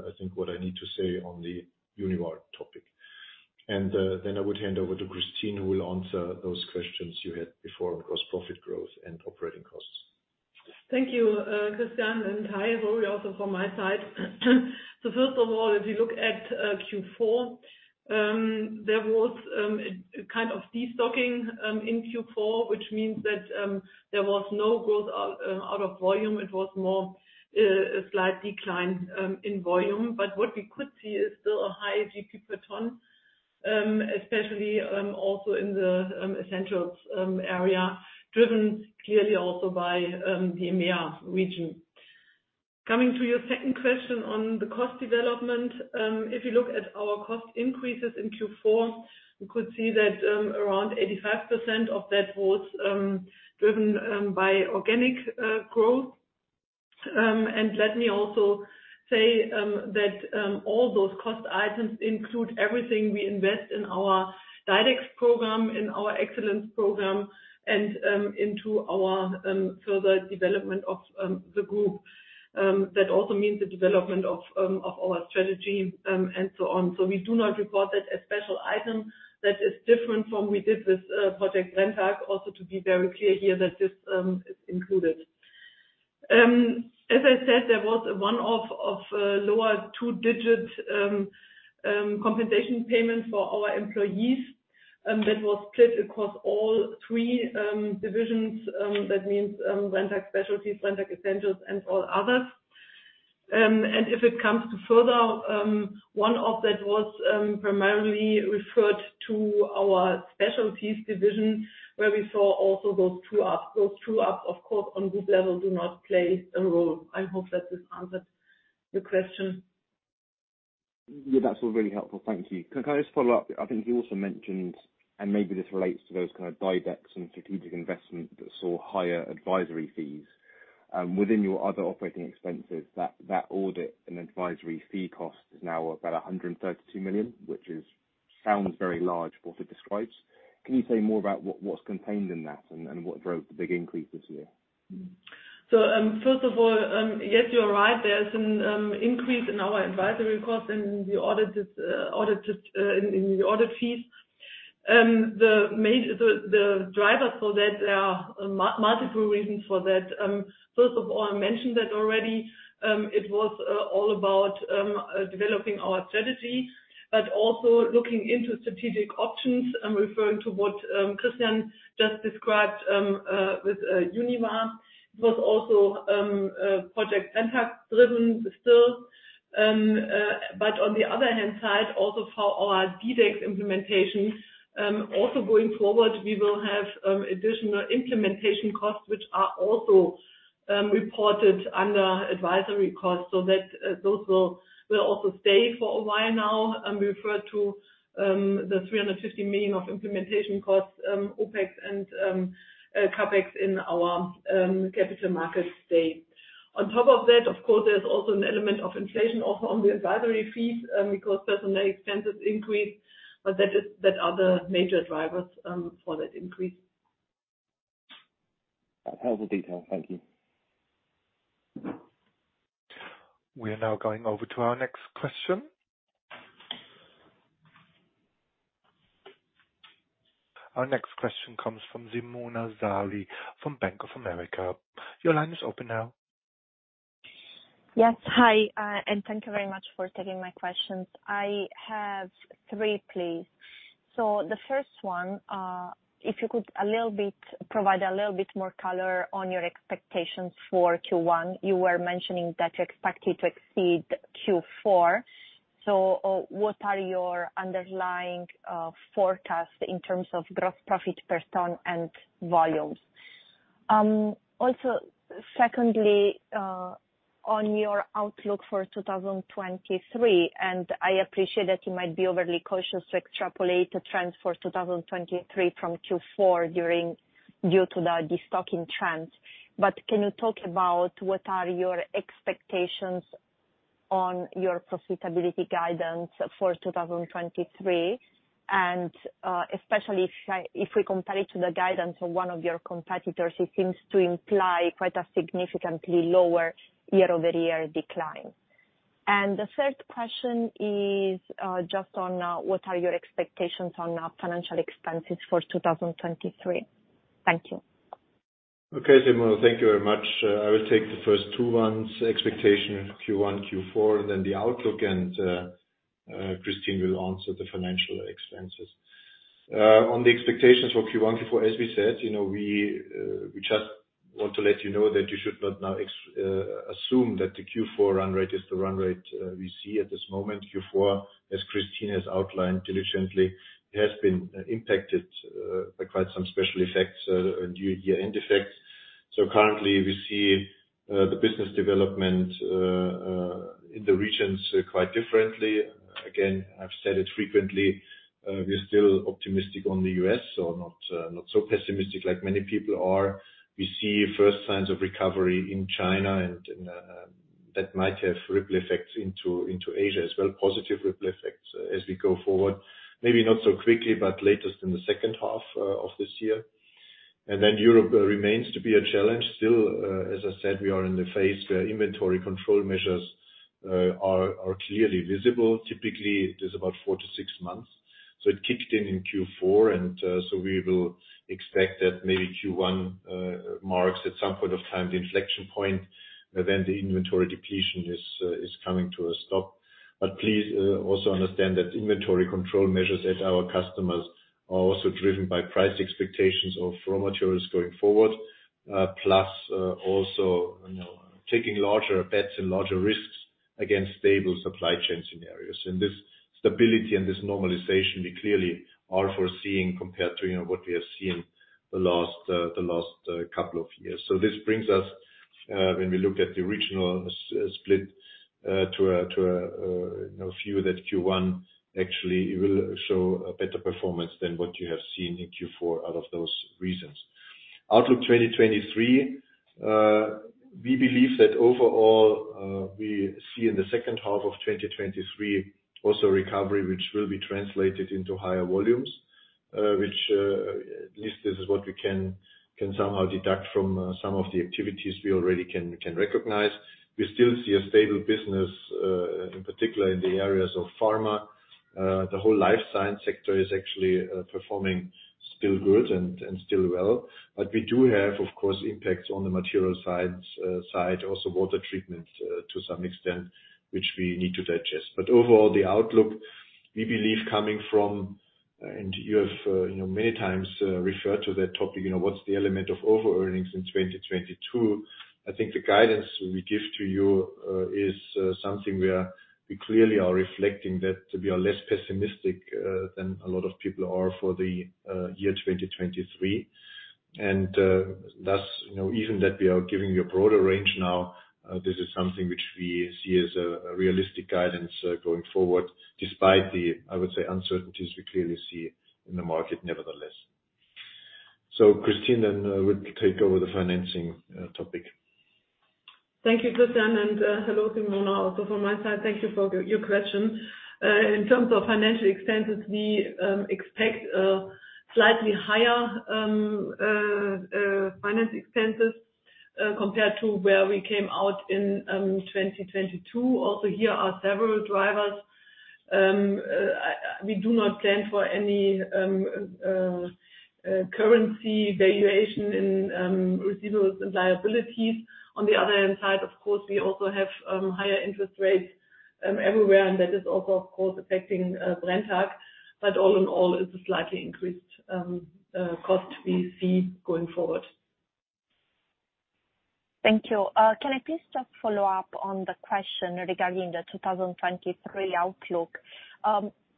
B: I think what I need to say on the Univar topic. I would hand over to Kristin, who will answer those questions you had before on gross profit growth and operating costs.
C: Thank you, Christian and hi, Rory, also from my side. First of all, if you look at Q4, there was a kind of destocking in Q4, which means that there was no growth out of volume. It was more a slight decline in volume. What we could see is still a high GP per ton, especially also in the essentials area, driven clearly also by the EMEA region. Coming to your second question on the cost development, if you look at our cost increases in Q4, you could see that around 85% of that was driven by organic growth. Let me also say that all those cost items include everything we invest in our DiDEX program, in our Excellence program, and into our further development of the group. That also means the development of our strategy and so on. We do not report that as special item. That is different from we did with Project Brenntag. Also to be very clear here that this is included. As I said, there was a one-off of lower two-digit compensation payment for our employees that was split across all three divisions. That means Brenntag Specialties, Brenntag Essentials, and all others. If it comes to further one-off that was primarily referred to our Specialties division, where we saw also those true-ups. Those true ups, of course, on group level do not play a role. I hope that this answered the question.
E: Yeah, that's all really helpful. Thank you. Can I just follow up? I think you also mentioned, and maybe this relates to those kind of buybacks and strategic investments that saw higher advisory fees. Within your other operating expenses, that audit and advisory fee cost is now about 132 million, which sounds very large for what it describes. Can you say more about what's contained in that and what drove the big increase this year?
C: First of all, yes, you're right. There is an increase in our advisory costs and we audited in the audit fees. The driver for that, there are multiple reasons for that. First of all, I mentioned that already, it was all about developing our strategy, but also looking into strategic options and referring to what Christian just described with Univar. It was also Project Brenntag driven still. On the other hand side, also for our DiDEX implementations, also going forward, we will have additional implementation costs, which are also reported under advisory costs, those will also stay for a while now, referred to the 350 million of implementation costs, OpEx and CapEx in our Capital Market Day. On top of that, of course, there's also an element of inflation also on the advisory fees, because personnel expenses increase, that are the major drivers for that increase.
E: Helpful detail. Thank you.
D: We are now going over to our next question. Our next question comes from Simona Sarli from Bank of America. Your line is open now.
F: Yes. Hi, and thank you very much for taking my questions. I have three, please. The first one, if you could provide a little bit more color on your expectations for Q1. You were mentioning that you expected to exceed Q4. What are your underlying forecasts in terms of gross profit per ton and volumes? Also secondly, on your outlook for 2023. I appreciate that you might be overly cautious to extrapolate the trends for 2023 from Q4 due to the de-stocking trend. Can you talk about what are your expectations on your profitability guidance for 2023? Especially if we compare it to the guidance of one of your competitors, it seems to imply quite a significantly lower year-over-year decline. The third question is, just on, what are your expectations on, financial expenses for 2023? Thank you.
B: Okay, Simona, thank you very much. I will take the first two ones, expectation Q1, Q4, and then the outlook and Kristin will answer the financial expenses. On the expectations for Q1, Q4, as we said, you know, we just want to let you know that you should not now assume that the Q4 run rate is the run rate we see at this moment. Q4, as Kristin has outlined diligently, has been impacted by quite some special effects due to year-end effects. Currently, we see the business development in the regions quite differently. Again, I've said it frequently, we're still optimistic on the U.S., not so pessimistic like many people are. We see first signs of recovery in China and that might have ripple effects into Asia as well, positive ripple effects as we go forward. Maybe not so quickly, but latest in the second half of this year. Europe remains to be a challenge still. As I said, we are in the phase where inventory control measures are clearly visible. Typically, it is about four to six months. It kicked in in Q4, and so we will expect that maybe Q1 marks at some point of time the inflection point when the inventory depletion is coming to a stop. Please also understand that inventory control measures at our customers are also driven by price expectations of raw materials going forward. Plus, also, you know, taking larger bets and larger risks against stable supply chain scenarios. This stability and this normalization, we clearly are foreseeing compared to, you know, what we have seen the last couple of years. This brings us, when we look at the regional split, to a, you know, view that Q1 actually will show a better performance than what you have seen in Q4 out of those reasons. Outlook 2023, we believe that overall, we see in the second half of 2023 also recovery, which will be translated into higher volumes, which, at least this is what we can somehow deduct from some of the activities we already can recognize. We still see a stable business, in particular in the areas of pharma. The whole life science sector is actually performing still good and still well. We do have, of course, impacts on the material science side, also water treatment to some extent, which we need to digest. Overall, the outlook we believe coming from, and you have, you know, many times referred to that topic, you know, what's the element of overearnings in 2022? I think the guidance we give to you is something where we clearly are reflecting that we are less pessimistic than a lot of people are for the year 2023. Thus, you know, even that we are giving you a broader range now, this is something which we see as a realistic guidance going forward despite the, I would say, uncertainties we clearly see in the market nevertheless. Kristin then will take over the financing topic.
C: Thank you, Christian, and hello, Simona, also from my side. Thank you for your question. In terms of financial expenses, we expect slightly higher finance expenses compared to where we came out in 2022. Also, here are several drivers. We do not plan for any currency valuation in receivables and liabilities. On the other hand side, of course, we also have higher interest rates everywhere, and that is also of course affecting Brenntag. All in all, it's a slightly increased cost we see going forward.
F: Thank you. Can I please just follow up on the question regarding the 2023 outlook?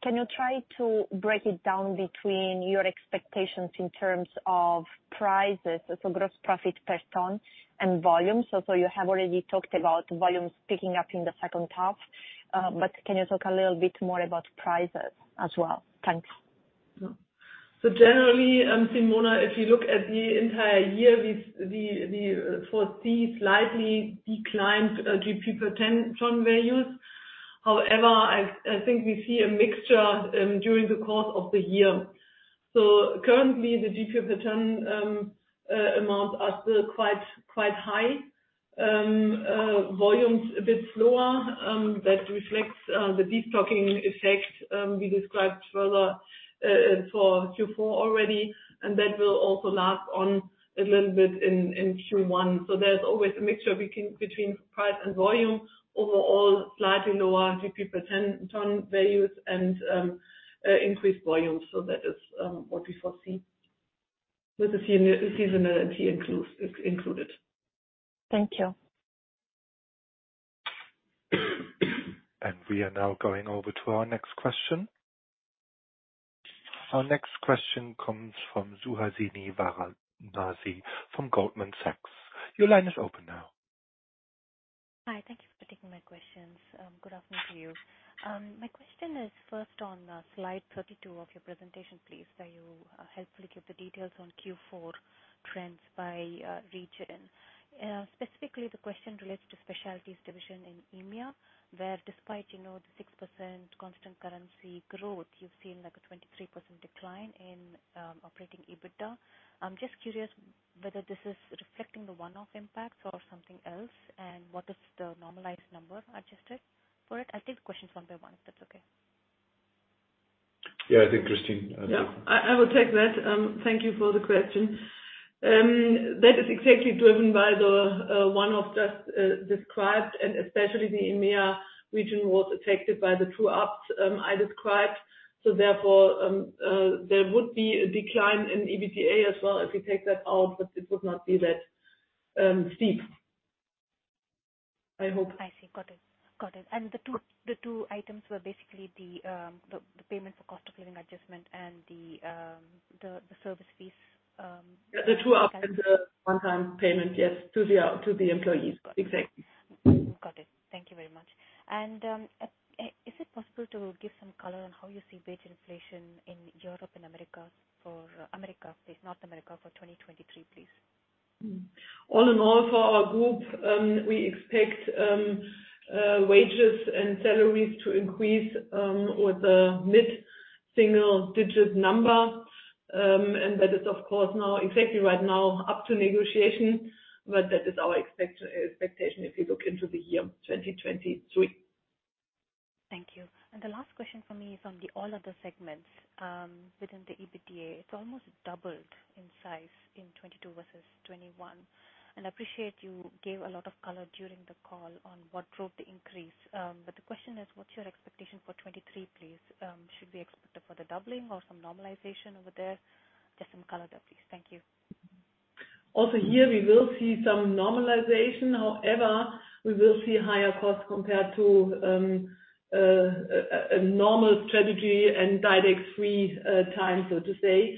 F: Can you try to break it down between your expectations in terms of prices, so gross profit per ton and volume? You have already talked about volumes picking up in the second half, but can you talk a little bit more about prices as well? Thanks.
C: Generally, Simona, if you look at the entire year, we foresee slightly declined GP per ton values. However, I think we see a mixture during the course of the year. Currently, the GP per ton amounts are still quite high. Volumes a bit lower, that reflects the destocking effect we described further for Q4 already, and that will also last on a little bit in Q1. There's always a mixture between price and volume. Overall, slightly lower GP per ton values and increased volumes. That is what we foresee. With the seasonality included.
F: Thank you.
D: We are now going over to our next question. Our next question comes from Suhasini Varanasi from Goldman Sachs. Your line is open now.
G: Hi. Thank you for taking my questions. Good afternoon to you. My question is first on slide 32 of your presentation, please, where you helpfully give the details on Q4 trends by region. Specifically, the question relates to Specialties division in EMEA, where despite, you know, the 6% constant currency growth, you've seen, like, a 23% decline in operating EBITDA. I'm just curious whether this is reflecting the one-off impacts or something else, and what is the normalized number adjusted for it? I'll take the questions one by one, if that's okay.
B: Yeah. I think Kristin.
C: Yeah. I will take that. Thank you for the question. That is exactly driven by the one-off that's described, and especially the EMEA region was affected by the true ups I described. Therefore, there would be a decline in EBITDA as well if we take that out, but it would not be that steep. I hope.
G: I see. Got it. Got it. The two items were basically the payment for cost of living adjustment and the service fees.
C: The true up and the one-time payment, yes, to the, to the employees.
G: Got it.
C: Exactly.
G: Got it. Thank Thank you very much. Is it possible to give some color on how you see wage inflation in Europe and America for America, please, North America for 2023, please?
C: All in all, for our group, we expect wages and salaries to increase with a mid-single digit number. That is of course now, exactly right now, up to negotiation. That is our expectation if you look into the year 2023.
G: Thank you. The last question for me is on the all other segments within the EBITDA. It's almost doubled in size in 2022 versus 2021. I appreciate you gave a lot of color during the call on what drove the increase. The question is, what's your expectation for 2023, please? Should we expect further doubling or some normalization over there? Just some color there, please. Thank you.
C: Here, we will see some normalization. We will see higher costs compared to a normal strategy and DiDEX free time, so to say.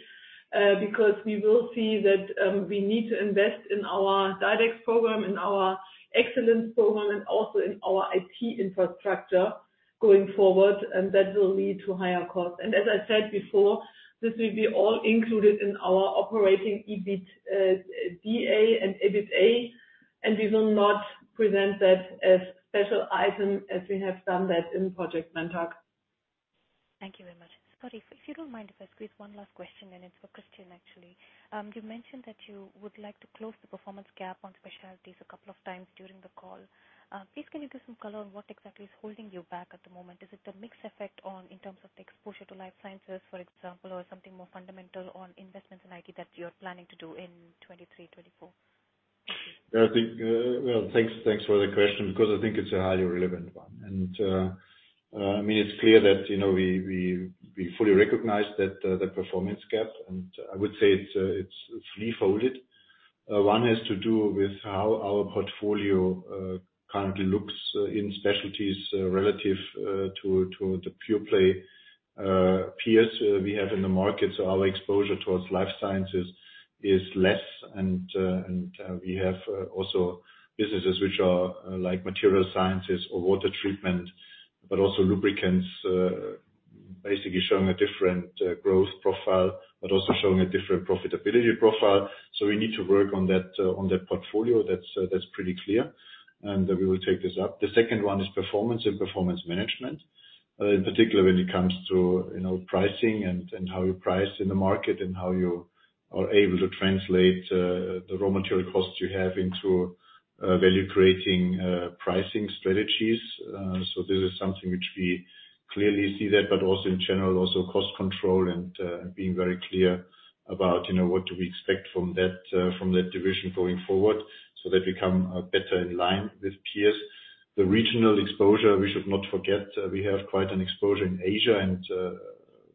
C: We will see that we need to invest in our DiDEX program and our Excellence program and also in our IT infrastructure going forward, and that will lead to higher costs. As I said before, this will be all included in our operating EBITDA and EBITA, and we will not present that as special item as we have done that in Project Brenntag.
G: Thank you very much. Sorry, if you don't mind, if I squeeze one last question in, it's for Christian, actually. You mentioned that you would like to close the performance gap on specialties a couple of times during the call. Please can you give some color on what exactly is holding you back at the moment? Is it the mix effect on, in terms of the exposure to life sciences, for example, or something more fundamental on investments in IT that you're planning to do in 2023, 2024?
B: Yeah. I think. Well, thanks for the question 'cause I think it's a highly relevant one. I mean, it's clear that, you know, we, we fully recognize that the performance gap, and I would say it's three-folded. One has to do with how our portfolio currently looks in Specialties relative to the pure play peers we have in the market. Our exposure towards life sciences is less and we have also businesses which are like material sciences or water treatment, but also lubricants basically showing a different growth profile, but also showing a different profitability profile. We need to work on that on that portfolio. That's pretty clear, and we will take this up. The second one is performance and performance management, in particular when it comes to, you know, pricing and how you price in the market and how you are able to translate the raw material costs you have into value-creating pricing strategies. This is something which we clearly see that, but also in general, also cost control and being very clear about, you know, what do we expect from that from that division going forward so that we come better in line with peers. The regional exposure, we should not forget, we have quite an exposure in Asia, and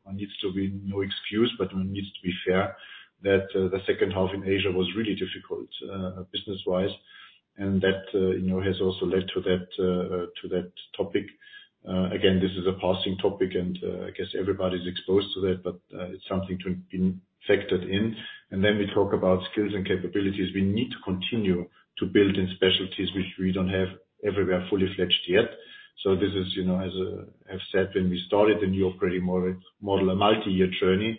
B: one needs to be no excuse, but one needs to be fair that the second half in Asia was really difficult business-wise. That, you know, has also led to that to that topic. Again, this is a passing topic and I guess everybody's exposed to that, but it's something to be factored in. Then we talk about skills and capabilities. We need to continue to build in Specialties which we don't have everywhere fully fledged yet. This is, you know, as I have said when we started the new operating model, a multi-year journey.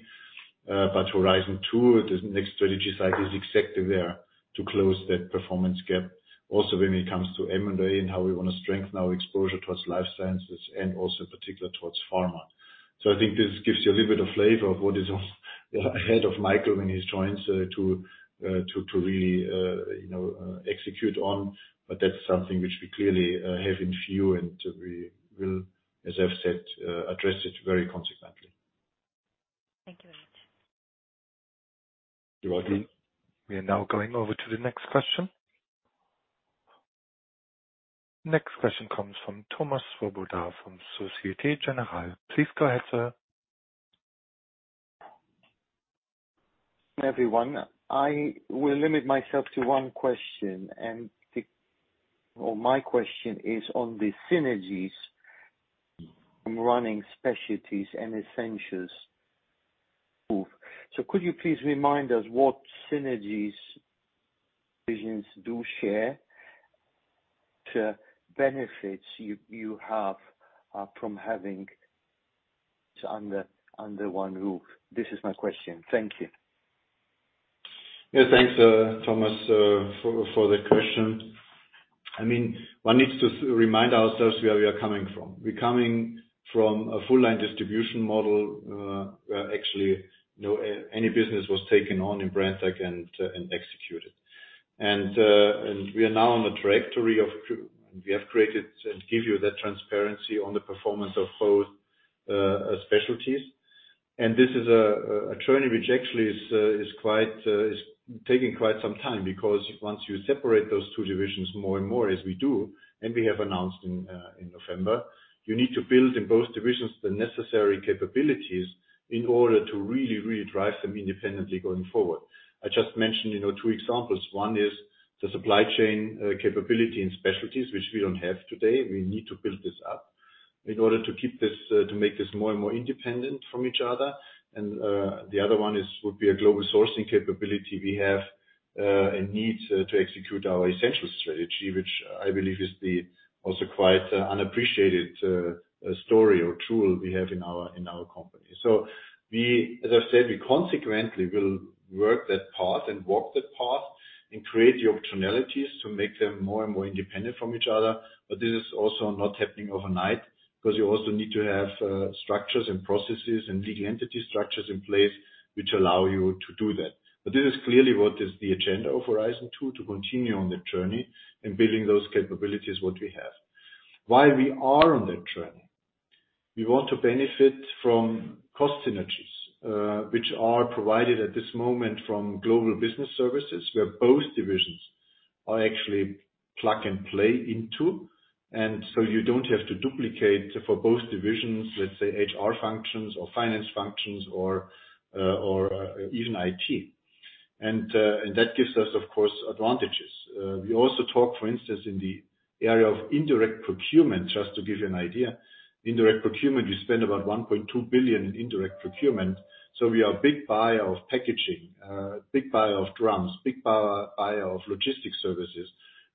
B: Horizon 2, the next strategy cycle is exactly there to close that performance gap. When it comes to M&A and how we wanna strengthen our exposure towards life sciences and also in particular towards pharma. I think this gives you a little bit of flavor of what is ahead of Michael when he joins to to to really, you know, execute on. That's something which we clearly have in view, and we will, as I've said, address it very consequently.
G: Thank you very much.
B: You're welcome.
D: We are now going over to the next question. Next question comes from Thomas Swoboda from Société Générale. Please go ahead, sir.
H: Everyone, I will limit myself to one question. Well, my question is on the synergies from running Specialties and Essentials. Could you please remind us what synergies decisions do share to benefits you have from having under one roof? This is my question. Thank you.
B: Yeah, thanks, Thomas, for the question. I mean, one needs to remind ourselves where we are coming from. We're coming from a full line distribution model, where actually no any business was taken on in Brenntag and executed. We are now on a trajectory of We have created and give you that transparency on the performance of both Specialties. This is a journey which actually is quite taking quite some time because once you separate those two divisions more and more as we do and we have announced in November, you need to build in both divisions the necessary capabilities in order to really drive them independently going forward. I just mentioned, you know, two examples. One is the supply chain capability in specialties which we don't have today. We need to build this up in order to keep this to make this more and more independent from each other. The other one is, would be a global sourcing capability we have and need to execute our essential strategy, which I believe is the also quite unappreciated story or tool we have in our company. We, as I said, we consequently will work that path and walk that path and create the opportunities to make them more and more independent from each other. This is also not happening overnight because you also need to have structures and processes and legal entity structures in place which allow you to do that. This is clearly what is the agenda of Horizon 2, to continue on that journey and building those capabilities what we have. While we are on that journey, we want to benefit from cost synergies, which are provided at this moment from Global Business Services, where both divisions are actually plug and play into. You don't have to duplicate for both divisions, let's say HR functions or finance functions or even IT. That gives us, of course, advantages. We also talk, for instance, in the area of indirect procurement, just to give you an idea. Indirect procurement, we spend about 1.2 billion in indirect procurement. We are a big buyer of packaging, big buyer of drums, big buyer of logistics services,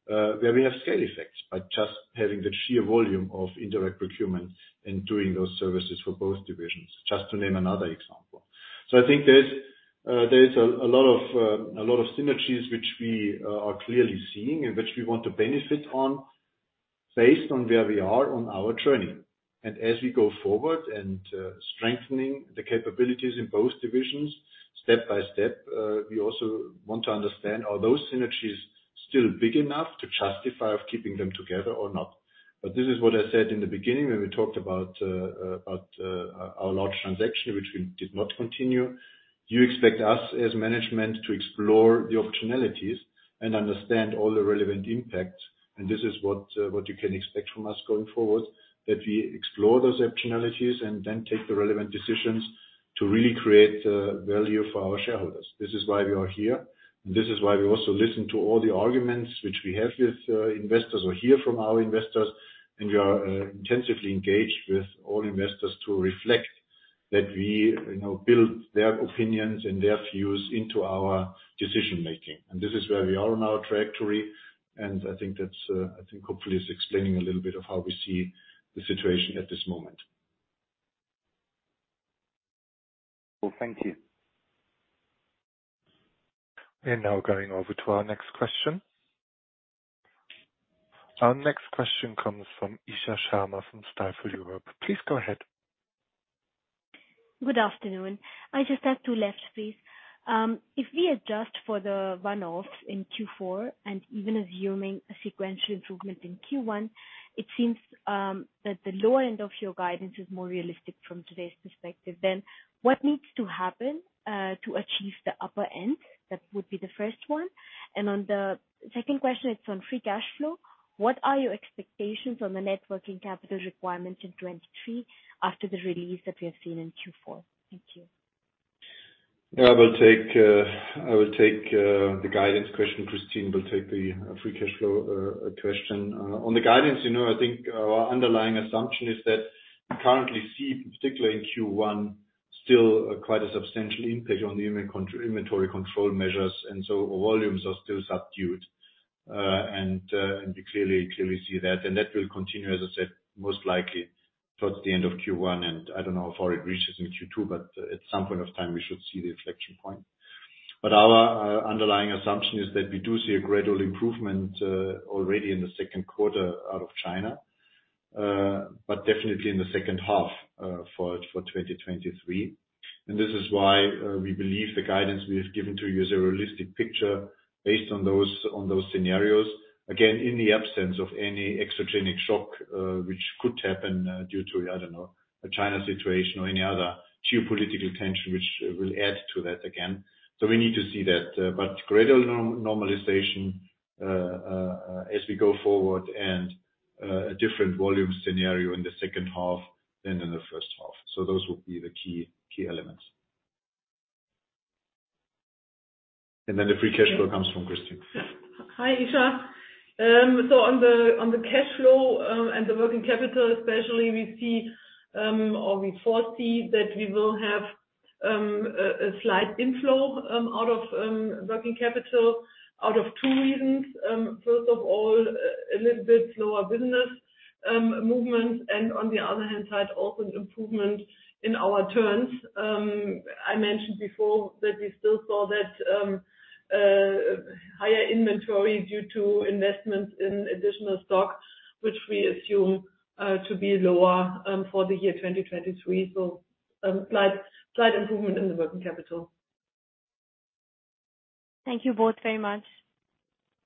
B: where we have scale effects by just having the sheer volume of indirect procurement and doing those services for both divisions, just to name another example. I think there's a lot of synergies which we are clearly seeing and which we want to benefit on based on where we are on our journey. As we go forward and strengthening the capabilities in both divisions step by step, we also want to understand are those synergies still big enough to justify of keeping them together or not. This is what I said in the beginning when we talked about our large transaction, which we did not continue. You expect us as management to explore the optionalities and understand all the relevant impacts. This is what you can expect from us going forward, that we explore those optionalities and then take the relevant decisions to really create value for our shareholders. This is why we are here. This is why we also listen to all the arguments which we have with investors or hear from our investors. We are intensively engaged with all investors to reflect that we, you know, build their opinions and their views into our decision-making. This is where we are on our trajectory, and I think that's hopefully is explaining a little bit of how we see the situation at this moment.
H: Well, thank you.
D: We're now going over to our next question. Our next question comes from Isha Sharma from Stifel Europe. Please go ahead.
I: Good afternoon. I just have two left, please. If we adjust for the one-offs in Q4 and even assuming a sequential improvement in Q1, it seems that the lower end of your guidance is more realistic from today's perspective. What needs to happen to achieve the upper end? That would be the first one. On the second question, it's on free cash flow. What are your expectations on the net working capital requirement in 2023 after the release that we have seen in Q4? Thank you.
B: Yeah, I will take the guidance question. Kristin will take the free cash flow question. On the guidance, you know, I think our underlying assumption is that we currently see, particularly in Q1, still quite a substantial impact on the inventory control measures, and so volumes are still subdued. We clearly see that. That will continue, as I said, most likely towards the end of Q1. I don't know how far it reaches in Q2, but at some point of time, we should see the inflection point. Our underlying assumption is that we do see a gradual improvement already in the second quarter out of China, but definitely in the second half for 2023. This is why we believe the guidance we have given to you is a realistic picture based on those scenarios. In the absence of any exogenic shock, which could happen, due to, I don't know, a China situation or any other geopolitical tension which will add to that again. We need to see that. Gradual normalization, as we go forward and a different volume scenario in the second half than in the first half. Those will be the key elements. Then the free cash flow comes from Kristin.
C: Yeah. Hi, Isha. On the cash flow, and the working capital especially, we see, or we foresee that we will have a slight inflow out of working capital out of two reasons. First of all, a little bit slower business movement and on the other hand side, also an improvement in our terms. I mentioned before that we still saw that higher inventory due to investments in additional stock, which we assume to be lower for the year 2023. Slight improvement in the working capital.
I: Thank you both very much.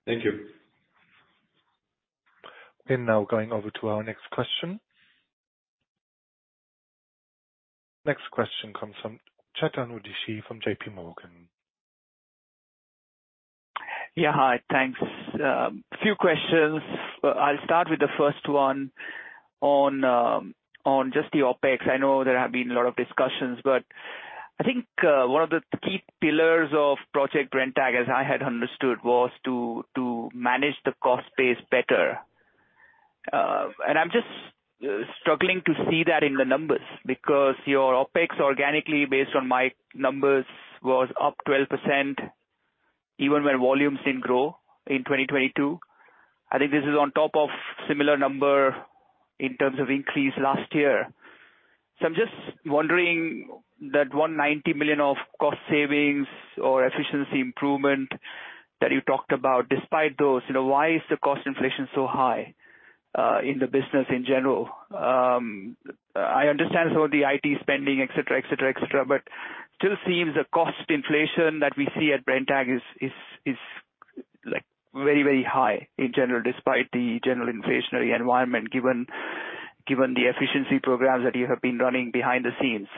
B: Thank you.
C: We're now going over to our next question. Next question comes from Chetan Udeshi from J.P. Morgan.
J: Hi. Thanks. Few questions. I'll start with the first one on just the OpEx. I know there have been a lot of discussions. I think one of the key pillars of Project Brenntag, as I had understood, was to manage the cost base better. I'm just struggling to see that in the numbers because your OpEx organically, based on my numbers, was up 12% even where volumes didn't grow in 2022. I think this is on top of similar number in terms of increase last year. I'm just wondering that 190 million of cost savings or efficiency improvement that you talked about, despite those, you know, why is the cost inflation so high in the business in general? I understand some of the IT spending, et cetera, et cetera, et cetera, but still seems the cost inflation that we see at Brenntag is like very, very high in general, despite the general inflationary environment, given the efficiency programs that you have been running behind the scenes.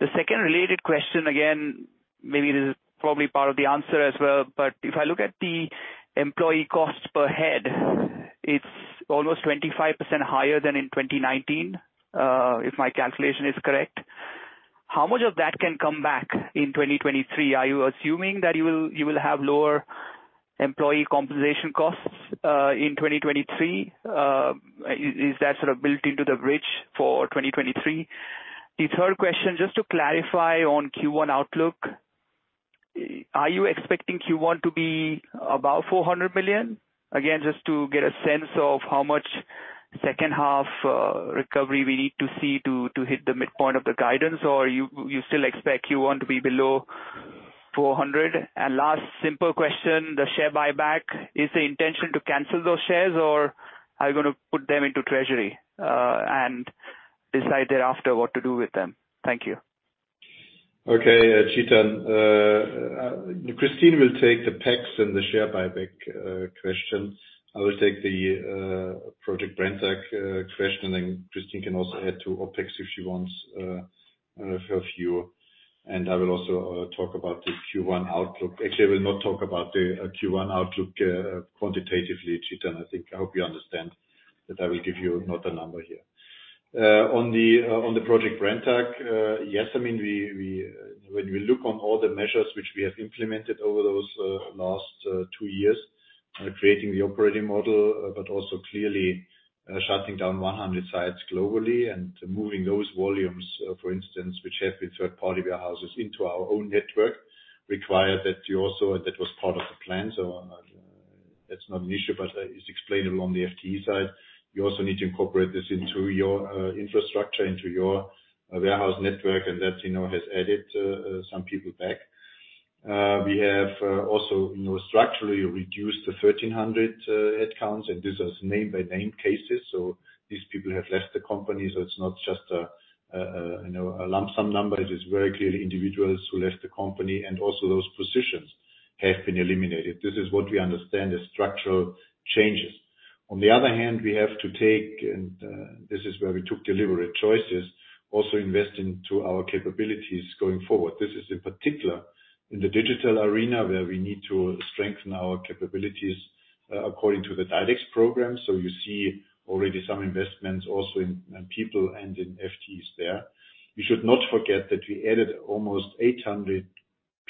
J: The second related question, again, maybe this is probably part of the answer as well, but if I look at the employee cost per head, it's almost 25% higher than in 2019, if my calculation is correct. How much of that can come back in 2023? Are you assuming that you will have lower employee compensation costs in 2023? Is that sort of built into the bridge for 2023? The third question, just to clarify on Q1 outlook? Are you expecting Q1 to be above 400 million? Again, just to get a sense of how much second half recovery we need to see to hit the midpoint of the guidance. Or you still expect Q1 to be below 400 million? Last simple question, the share buyback. Is the intention to cancel those shares, or are you gonna put them into treasury and decide thereafter what to do with them? Thank you.
B: Okay, Chetan. Kristin will take the PECs and the share buyback question. I will take the Project Brenntag question, and Kristin can also add to OpEx if she wants. I will also talk about the Q1 outlook. Actually, I will not talk about the Q1 outlook quantitatively, Chetan, I think. I hope you understand that I will give you not a number here. On the Project Brenntag, yes, I mean, we, when we look on all the measures which we have implemented over those last two years, creating the operating model, but also clearly shutting down 100 sites globally and moving those volumes, for instance, which have been third-party warehouses into our own network, require that you also. That was part of the plan, so, that's not an issue, but it's explainable on the FTE side. We also need to incorporate this into your infrastructure, into your warehouse network, and that, you know, has added some people back. We have, also, you know, structurally reduced the 1,300 headcounts, and this is name-by-name cases, so these people have left the company, so it's not just a, you know, a lump sum number. It is very clearly individuals who left the company, and also those positions have been eliminated. This is what we understand as structural changes. On the other hand, we have to take, and, this is where we took deliberate choices, also invest into our capabilities going forward. This is in particular in the digital arena, where we need to strengthen our capabilities, according to the DiDEX program. You see already some investments also in people and in FTEs there. You should not forget that we added almost 800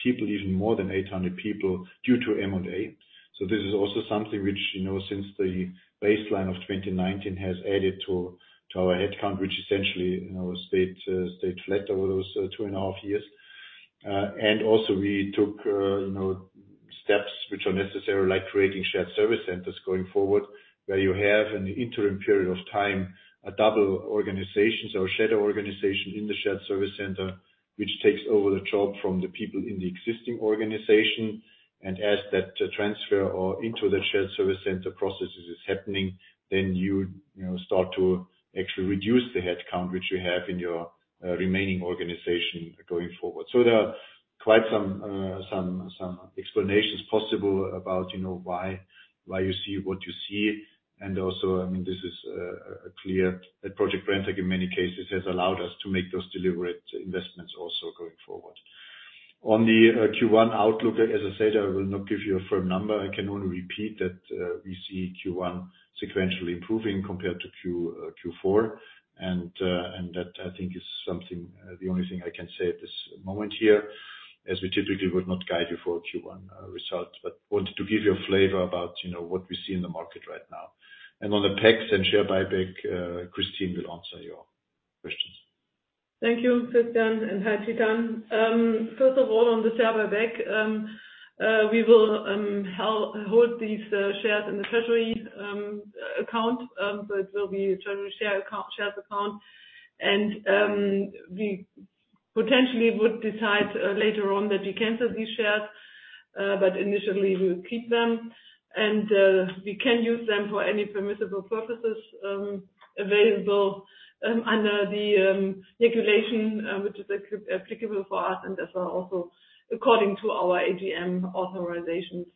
B: people, even more than 800 people, due to M&A. This is also something which, you know, since the baseline of 2019 has added to our headcount, which essentially, you know, stayed flat over those 2.5 years. Also we took, you know, steps which are necessary, like creating shared service centers going forward, where you have an interim period of time, a double organization. A shadow organization in the shared service center, which takes over the job from the people in the existing organization. As that transfer into the shared service center processes is happening, then you know, start to actually reduce the headcount which you have in your remaining organization going forward. There are quite some explanations possible about, you know, why you see what you see. Also, I mean, this is clear that Project Brenntag in many cases, has allowed us to make those deliberate investments also going forward. On the Q1 outlook, as I said, I will not give you a firm number. I can only repeat that we see Q1 sequentially improving compared to Q4. That, I think, is something, the only thing I can say at this moment here, as we typically would not guide you for a Q1 result, but wanted to give you a flavor about, you know, what we see in the market right now. On the PECs and share buyback, Kristin will answer your questions.
C: Thank you, Christian, and hi, Chetan. First of all, on the share buyback, we will hold these shares in the treasury account, so it will be a general share account, shares account. We potentially would decide later on that we cancel these shares, but initially we will keep them and we can use them for any permissible purposes available under the regulation which is applicable for us, and as well also according to our AGM authorizations.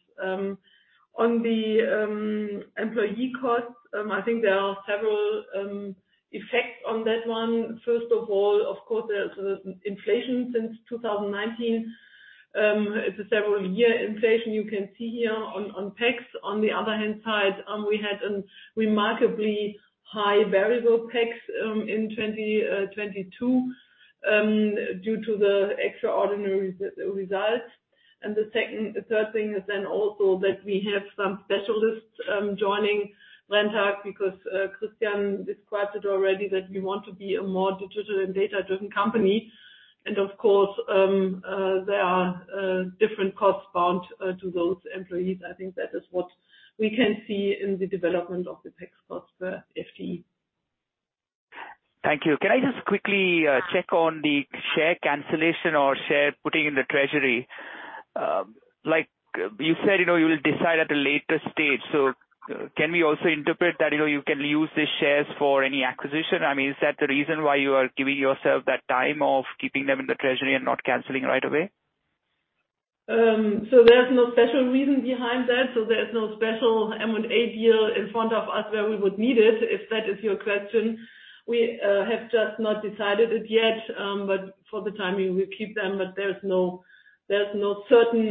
C: On the employee costs, I think there are several effects on that one. First of all, of course, there's inflation since 2019. It's a several year inflation you can see here on PECs. On the other hand side, we had a remarkably high variable PECs in 2022 due to the extraordinary results. The third thing is also that we have some specialists joining Brenntag because Christian described it already that we want to be a more digital and data-driven company. Of course, there are different costs bound to those employees. I think that is what we can see in the development of the PECs cost for FTE.
J: Thank you. Can I just quickly check on the share cancellation or share putting in the treasury? Like you said, you know, you will decide at a later stage. Can we also interpret that, you know, you can use the shares for any acquisition? I mean, is that the reason why you are giving yourself that time of keeping them in the treasury and not canceling right away?
C: There's no special reason behind that, so there's no special M&A deal in front of us where we would need it, if that is your question. We have just not decided it yet, but for the time being, we keep them. There's no certain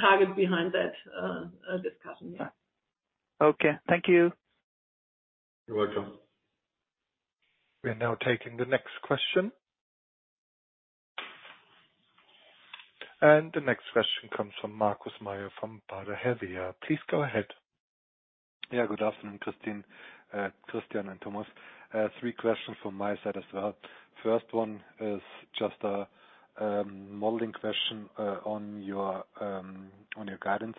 C: target behind that discussion, yeah.
J: Okay. Thank you.
B: You're welcome.
D: We are now taking the next question. The next question comes from Markus Mayer from Baader Helvea. Please go ahead.
K: Yeah. Good afternoon, Kristin, Christian and Thomas. I have three questions from my side as well. First one is just a modeling question on your guidance.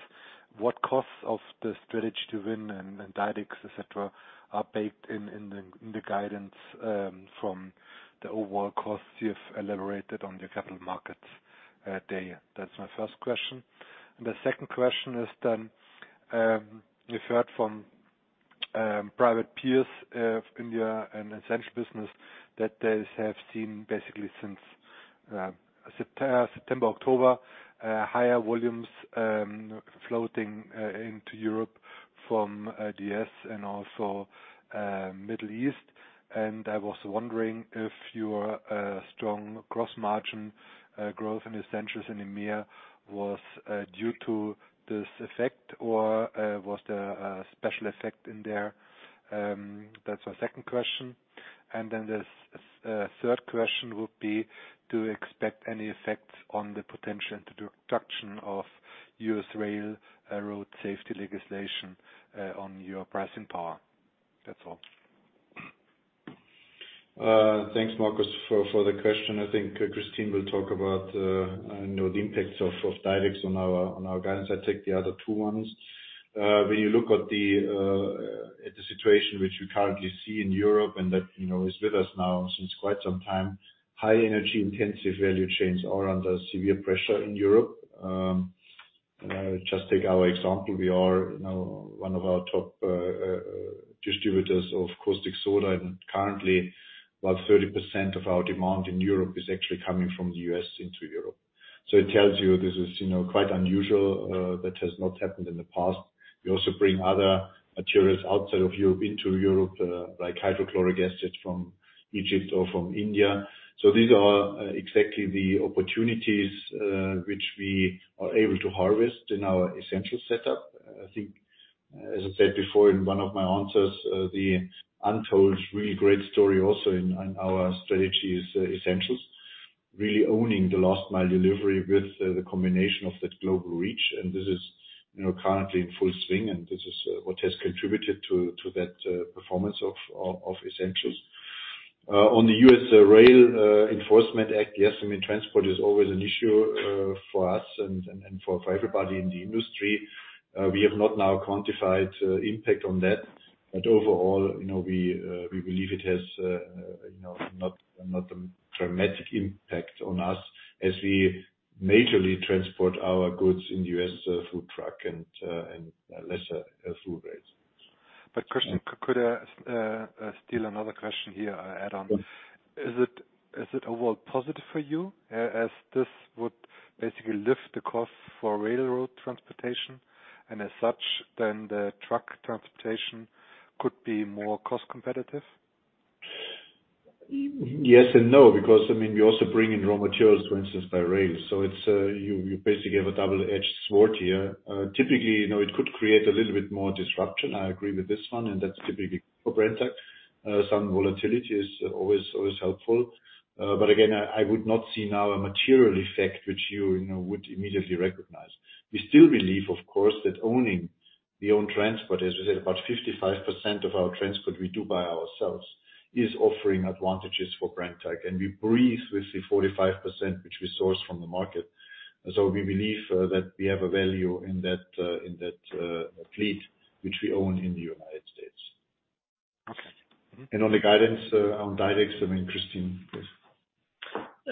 K: What costs of the Strategy to Win and DiDEX, et cetera, are baked in the guidance from the overall costs you've elaborated on your Capital Market Day? That's my first question. The second question is then, we've heard from private peers, India and Essentials business that they have seen basically since September, October, higher volumes floating into Europe from DSM and also Middle East. I was wondering if your strong gross margin growth in Essentials and EMEA was due to this effect or was there a special effect in there? That's my second question. The third question would be: Do you expect any effects on the potential introduction of U.S. Railroad safety legislation on your pricing power? That's all.
B: Thanks, Markus, for the question. I think Kristin will talk about, you know, the impacts of DiDEX on our guidance. I take the other two ones. When you look at the situation which you currently see in Europe, that, you know, is with us now since quite some time, high energy intensive value chains are under severe pressure in Europe. Just take our example. We are, you know, one of our top distributors of caustic soda, currently, about 30% of our demand in Europe is actually coming from the U.S. into Europe. It tells you this is, you know, quite unusual, that has not happened in the past. We also bring other materials outside of Europe into Europe, like hydrochloric acid from Egypt or from India. These are exactly the opportunities which we are able to harvest in our Essentials setup. I think, as I said before in one of my answers, the untold really great story also in our strategy is Essentials really owning the last mile delivery with the combination of that global reach. This is, you know, currently in full swing, and this is what has contributed to that performance of Essentials. On the U.S. Rail Enforcement Act, yes, I mean, transport is always an issue for us and for everybody in the industry. We have not now quantified impact on that. Overall, you know, we believe it has, you know, not a dramatic impact on us as we majorly transport our goods in U.S. food truck and lesser food rails.
K: Christian, could I steal another question here add on?
B: Yes.
K: Is it, overall positive for you as this would basically lift the cost for railroad transportation, and as such, then the truck transportation could be more cost competitive?
B: Yes and no, because, I mean, we also bring in raw materials, for instance, by rail. It's, you basically have a double-edged sword here. Typically, you know, it could create a little bit more disruption. I agree with this one. That's typically for Brenntag. Some volatility is always helpful. Again, I would not see now a material effect which you know, would immediately recognize. We still believe, of course, that owning the own transport, as we said, about 55% of our transport we do by ourselves, is offering advantages for Brenntag. We breathe with the 45%, which we source from the market. We believe that we have a value in that, in that, fleet, which we own in the United States.
K: Okay.
B: On the guidance, on DiDEX, I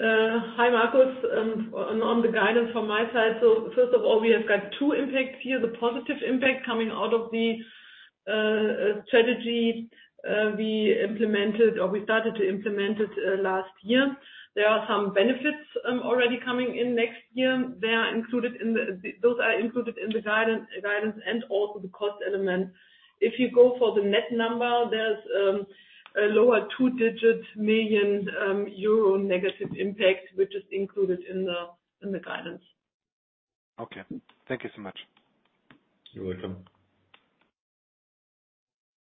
B: mean, Kristin, please.
C: Hi, Markus. On the guidance from my side, first of all, we have got two impacts here. The positive impact coming out of the strategy we implemented or we started to implement it last year. There are some benefits already coming in next year. Those are included in the guidance and also the cost element. If you go for the net number, there's a lower two-digit million EUR negative impact, which is included in the guidance.
K: Okay. Thank you so much.
B: You're welcome.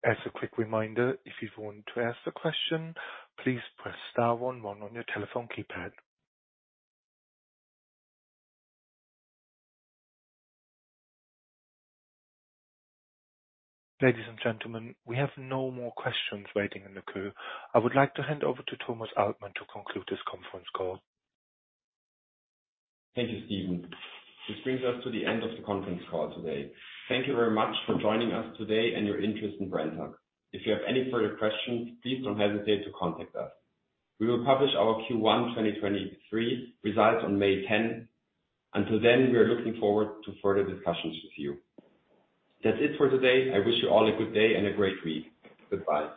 D: As a quick reminder, if you want to ask a question, please press star one one on your telephone keypad. Ladies and gentlemen, we have no more questions waiting in the queue. I would like to hand over to Thomas Altmann to conclude this conference call.
A: Thank you, Steven. This brings us to the end of the conference call today. Thank you very much for joining us today and your interest in Brenntag. If you have any further questions, please don't hesitate to contact us. We will publish our Q1 2023 results on May 10. Until then, we are looking forward to further discussions with you. That's it for today. I wish you all a good day and a great week. Goodbye.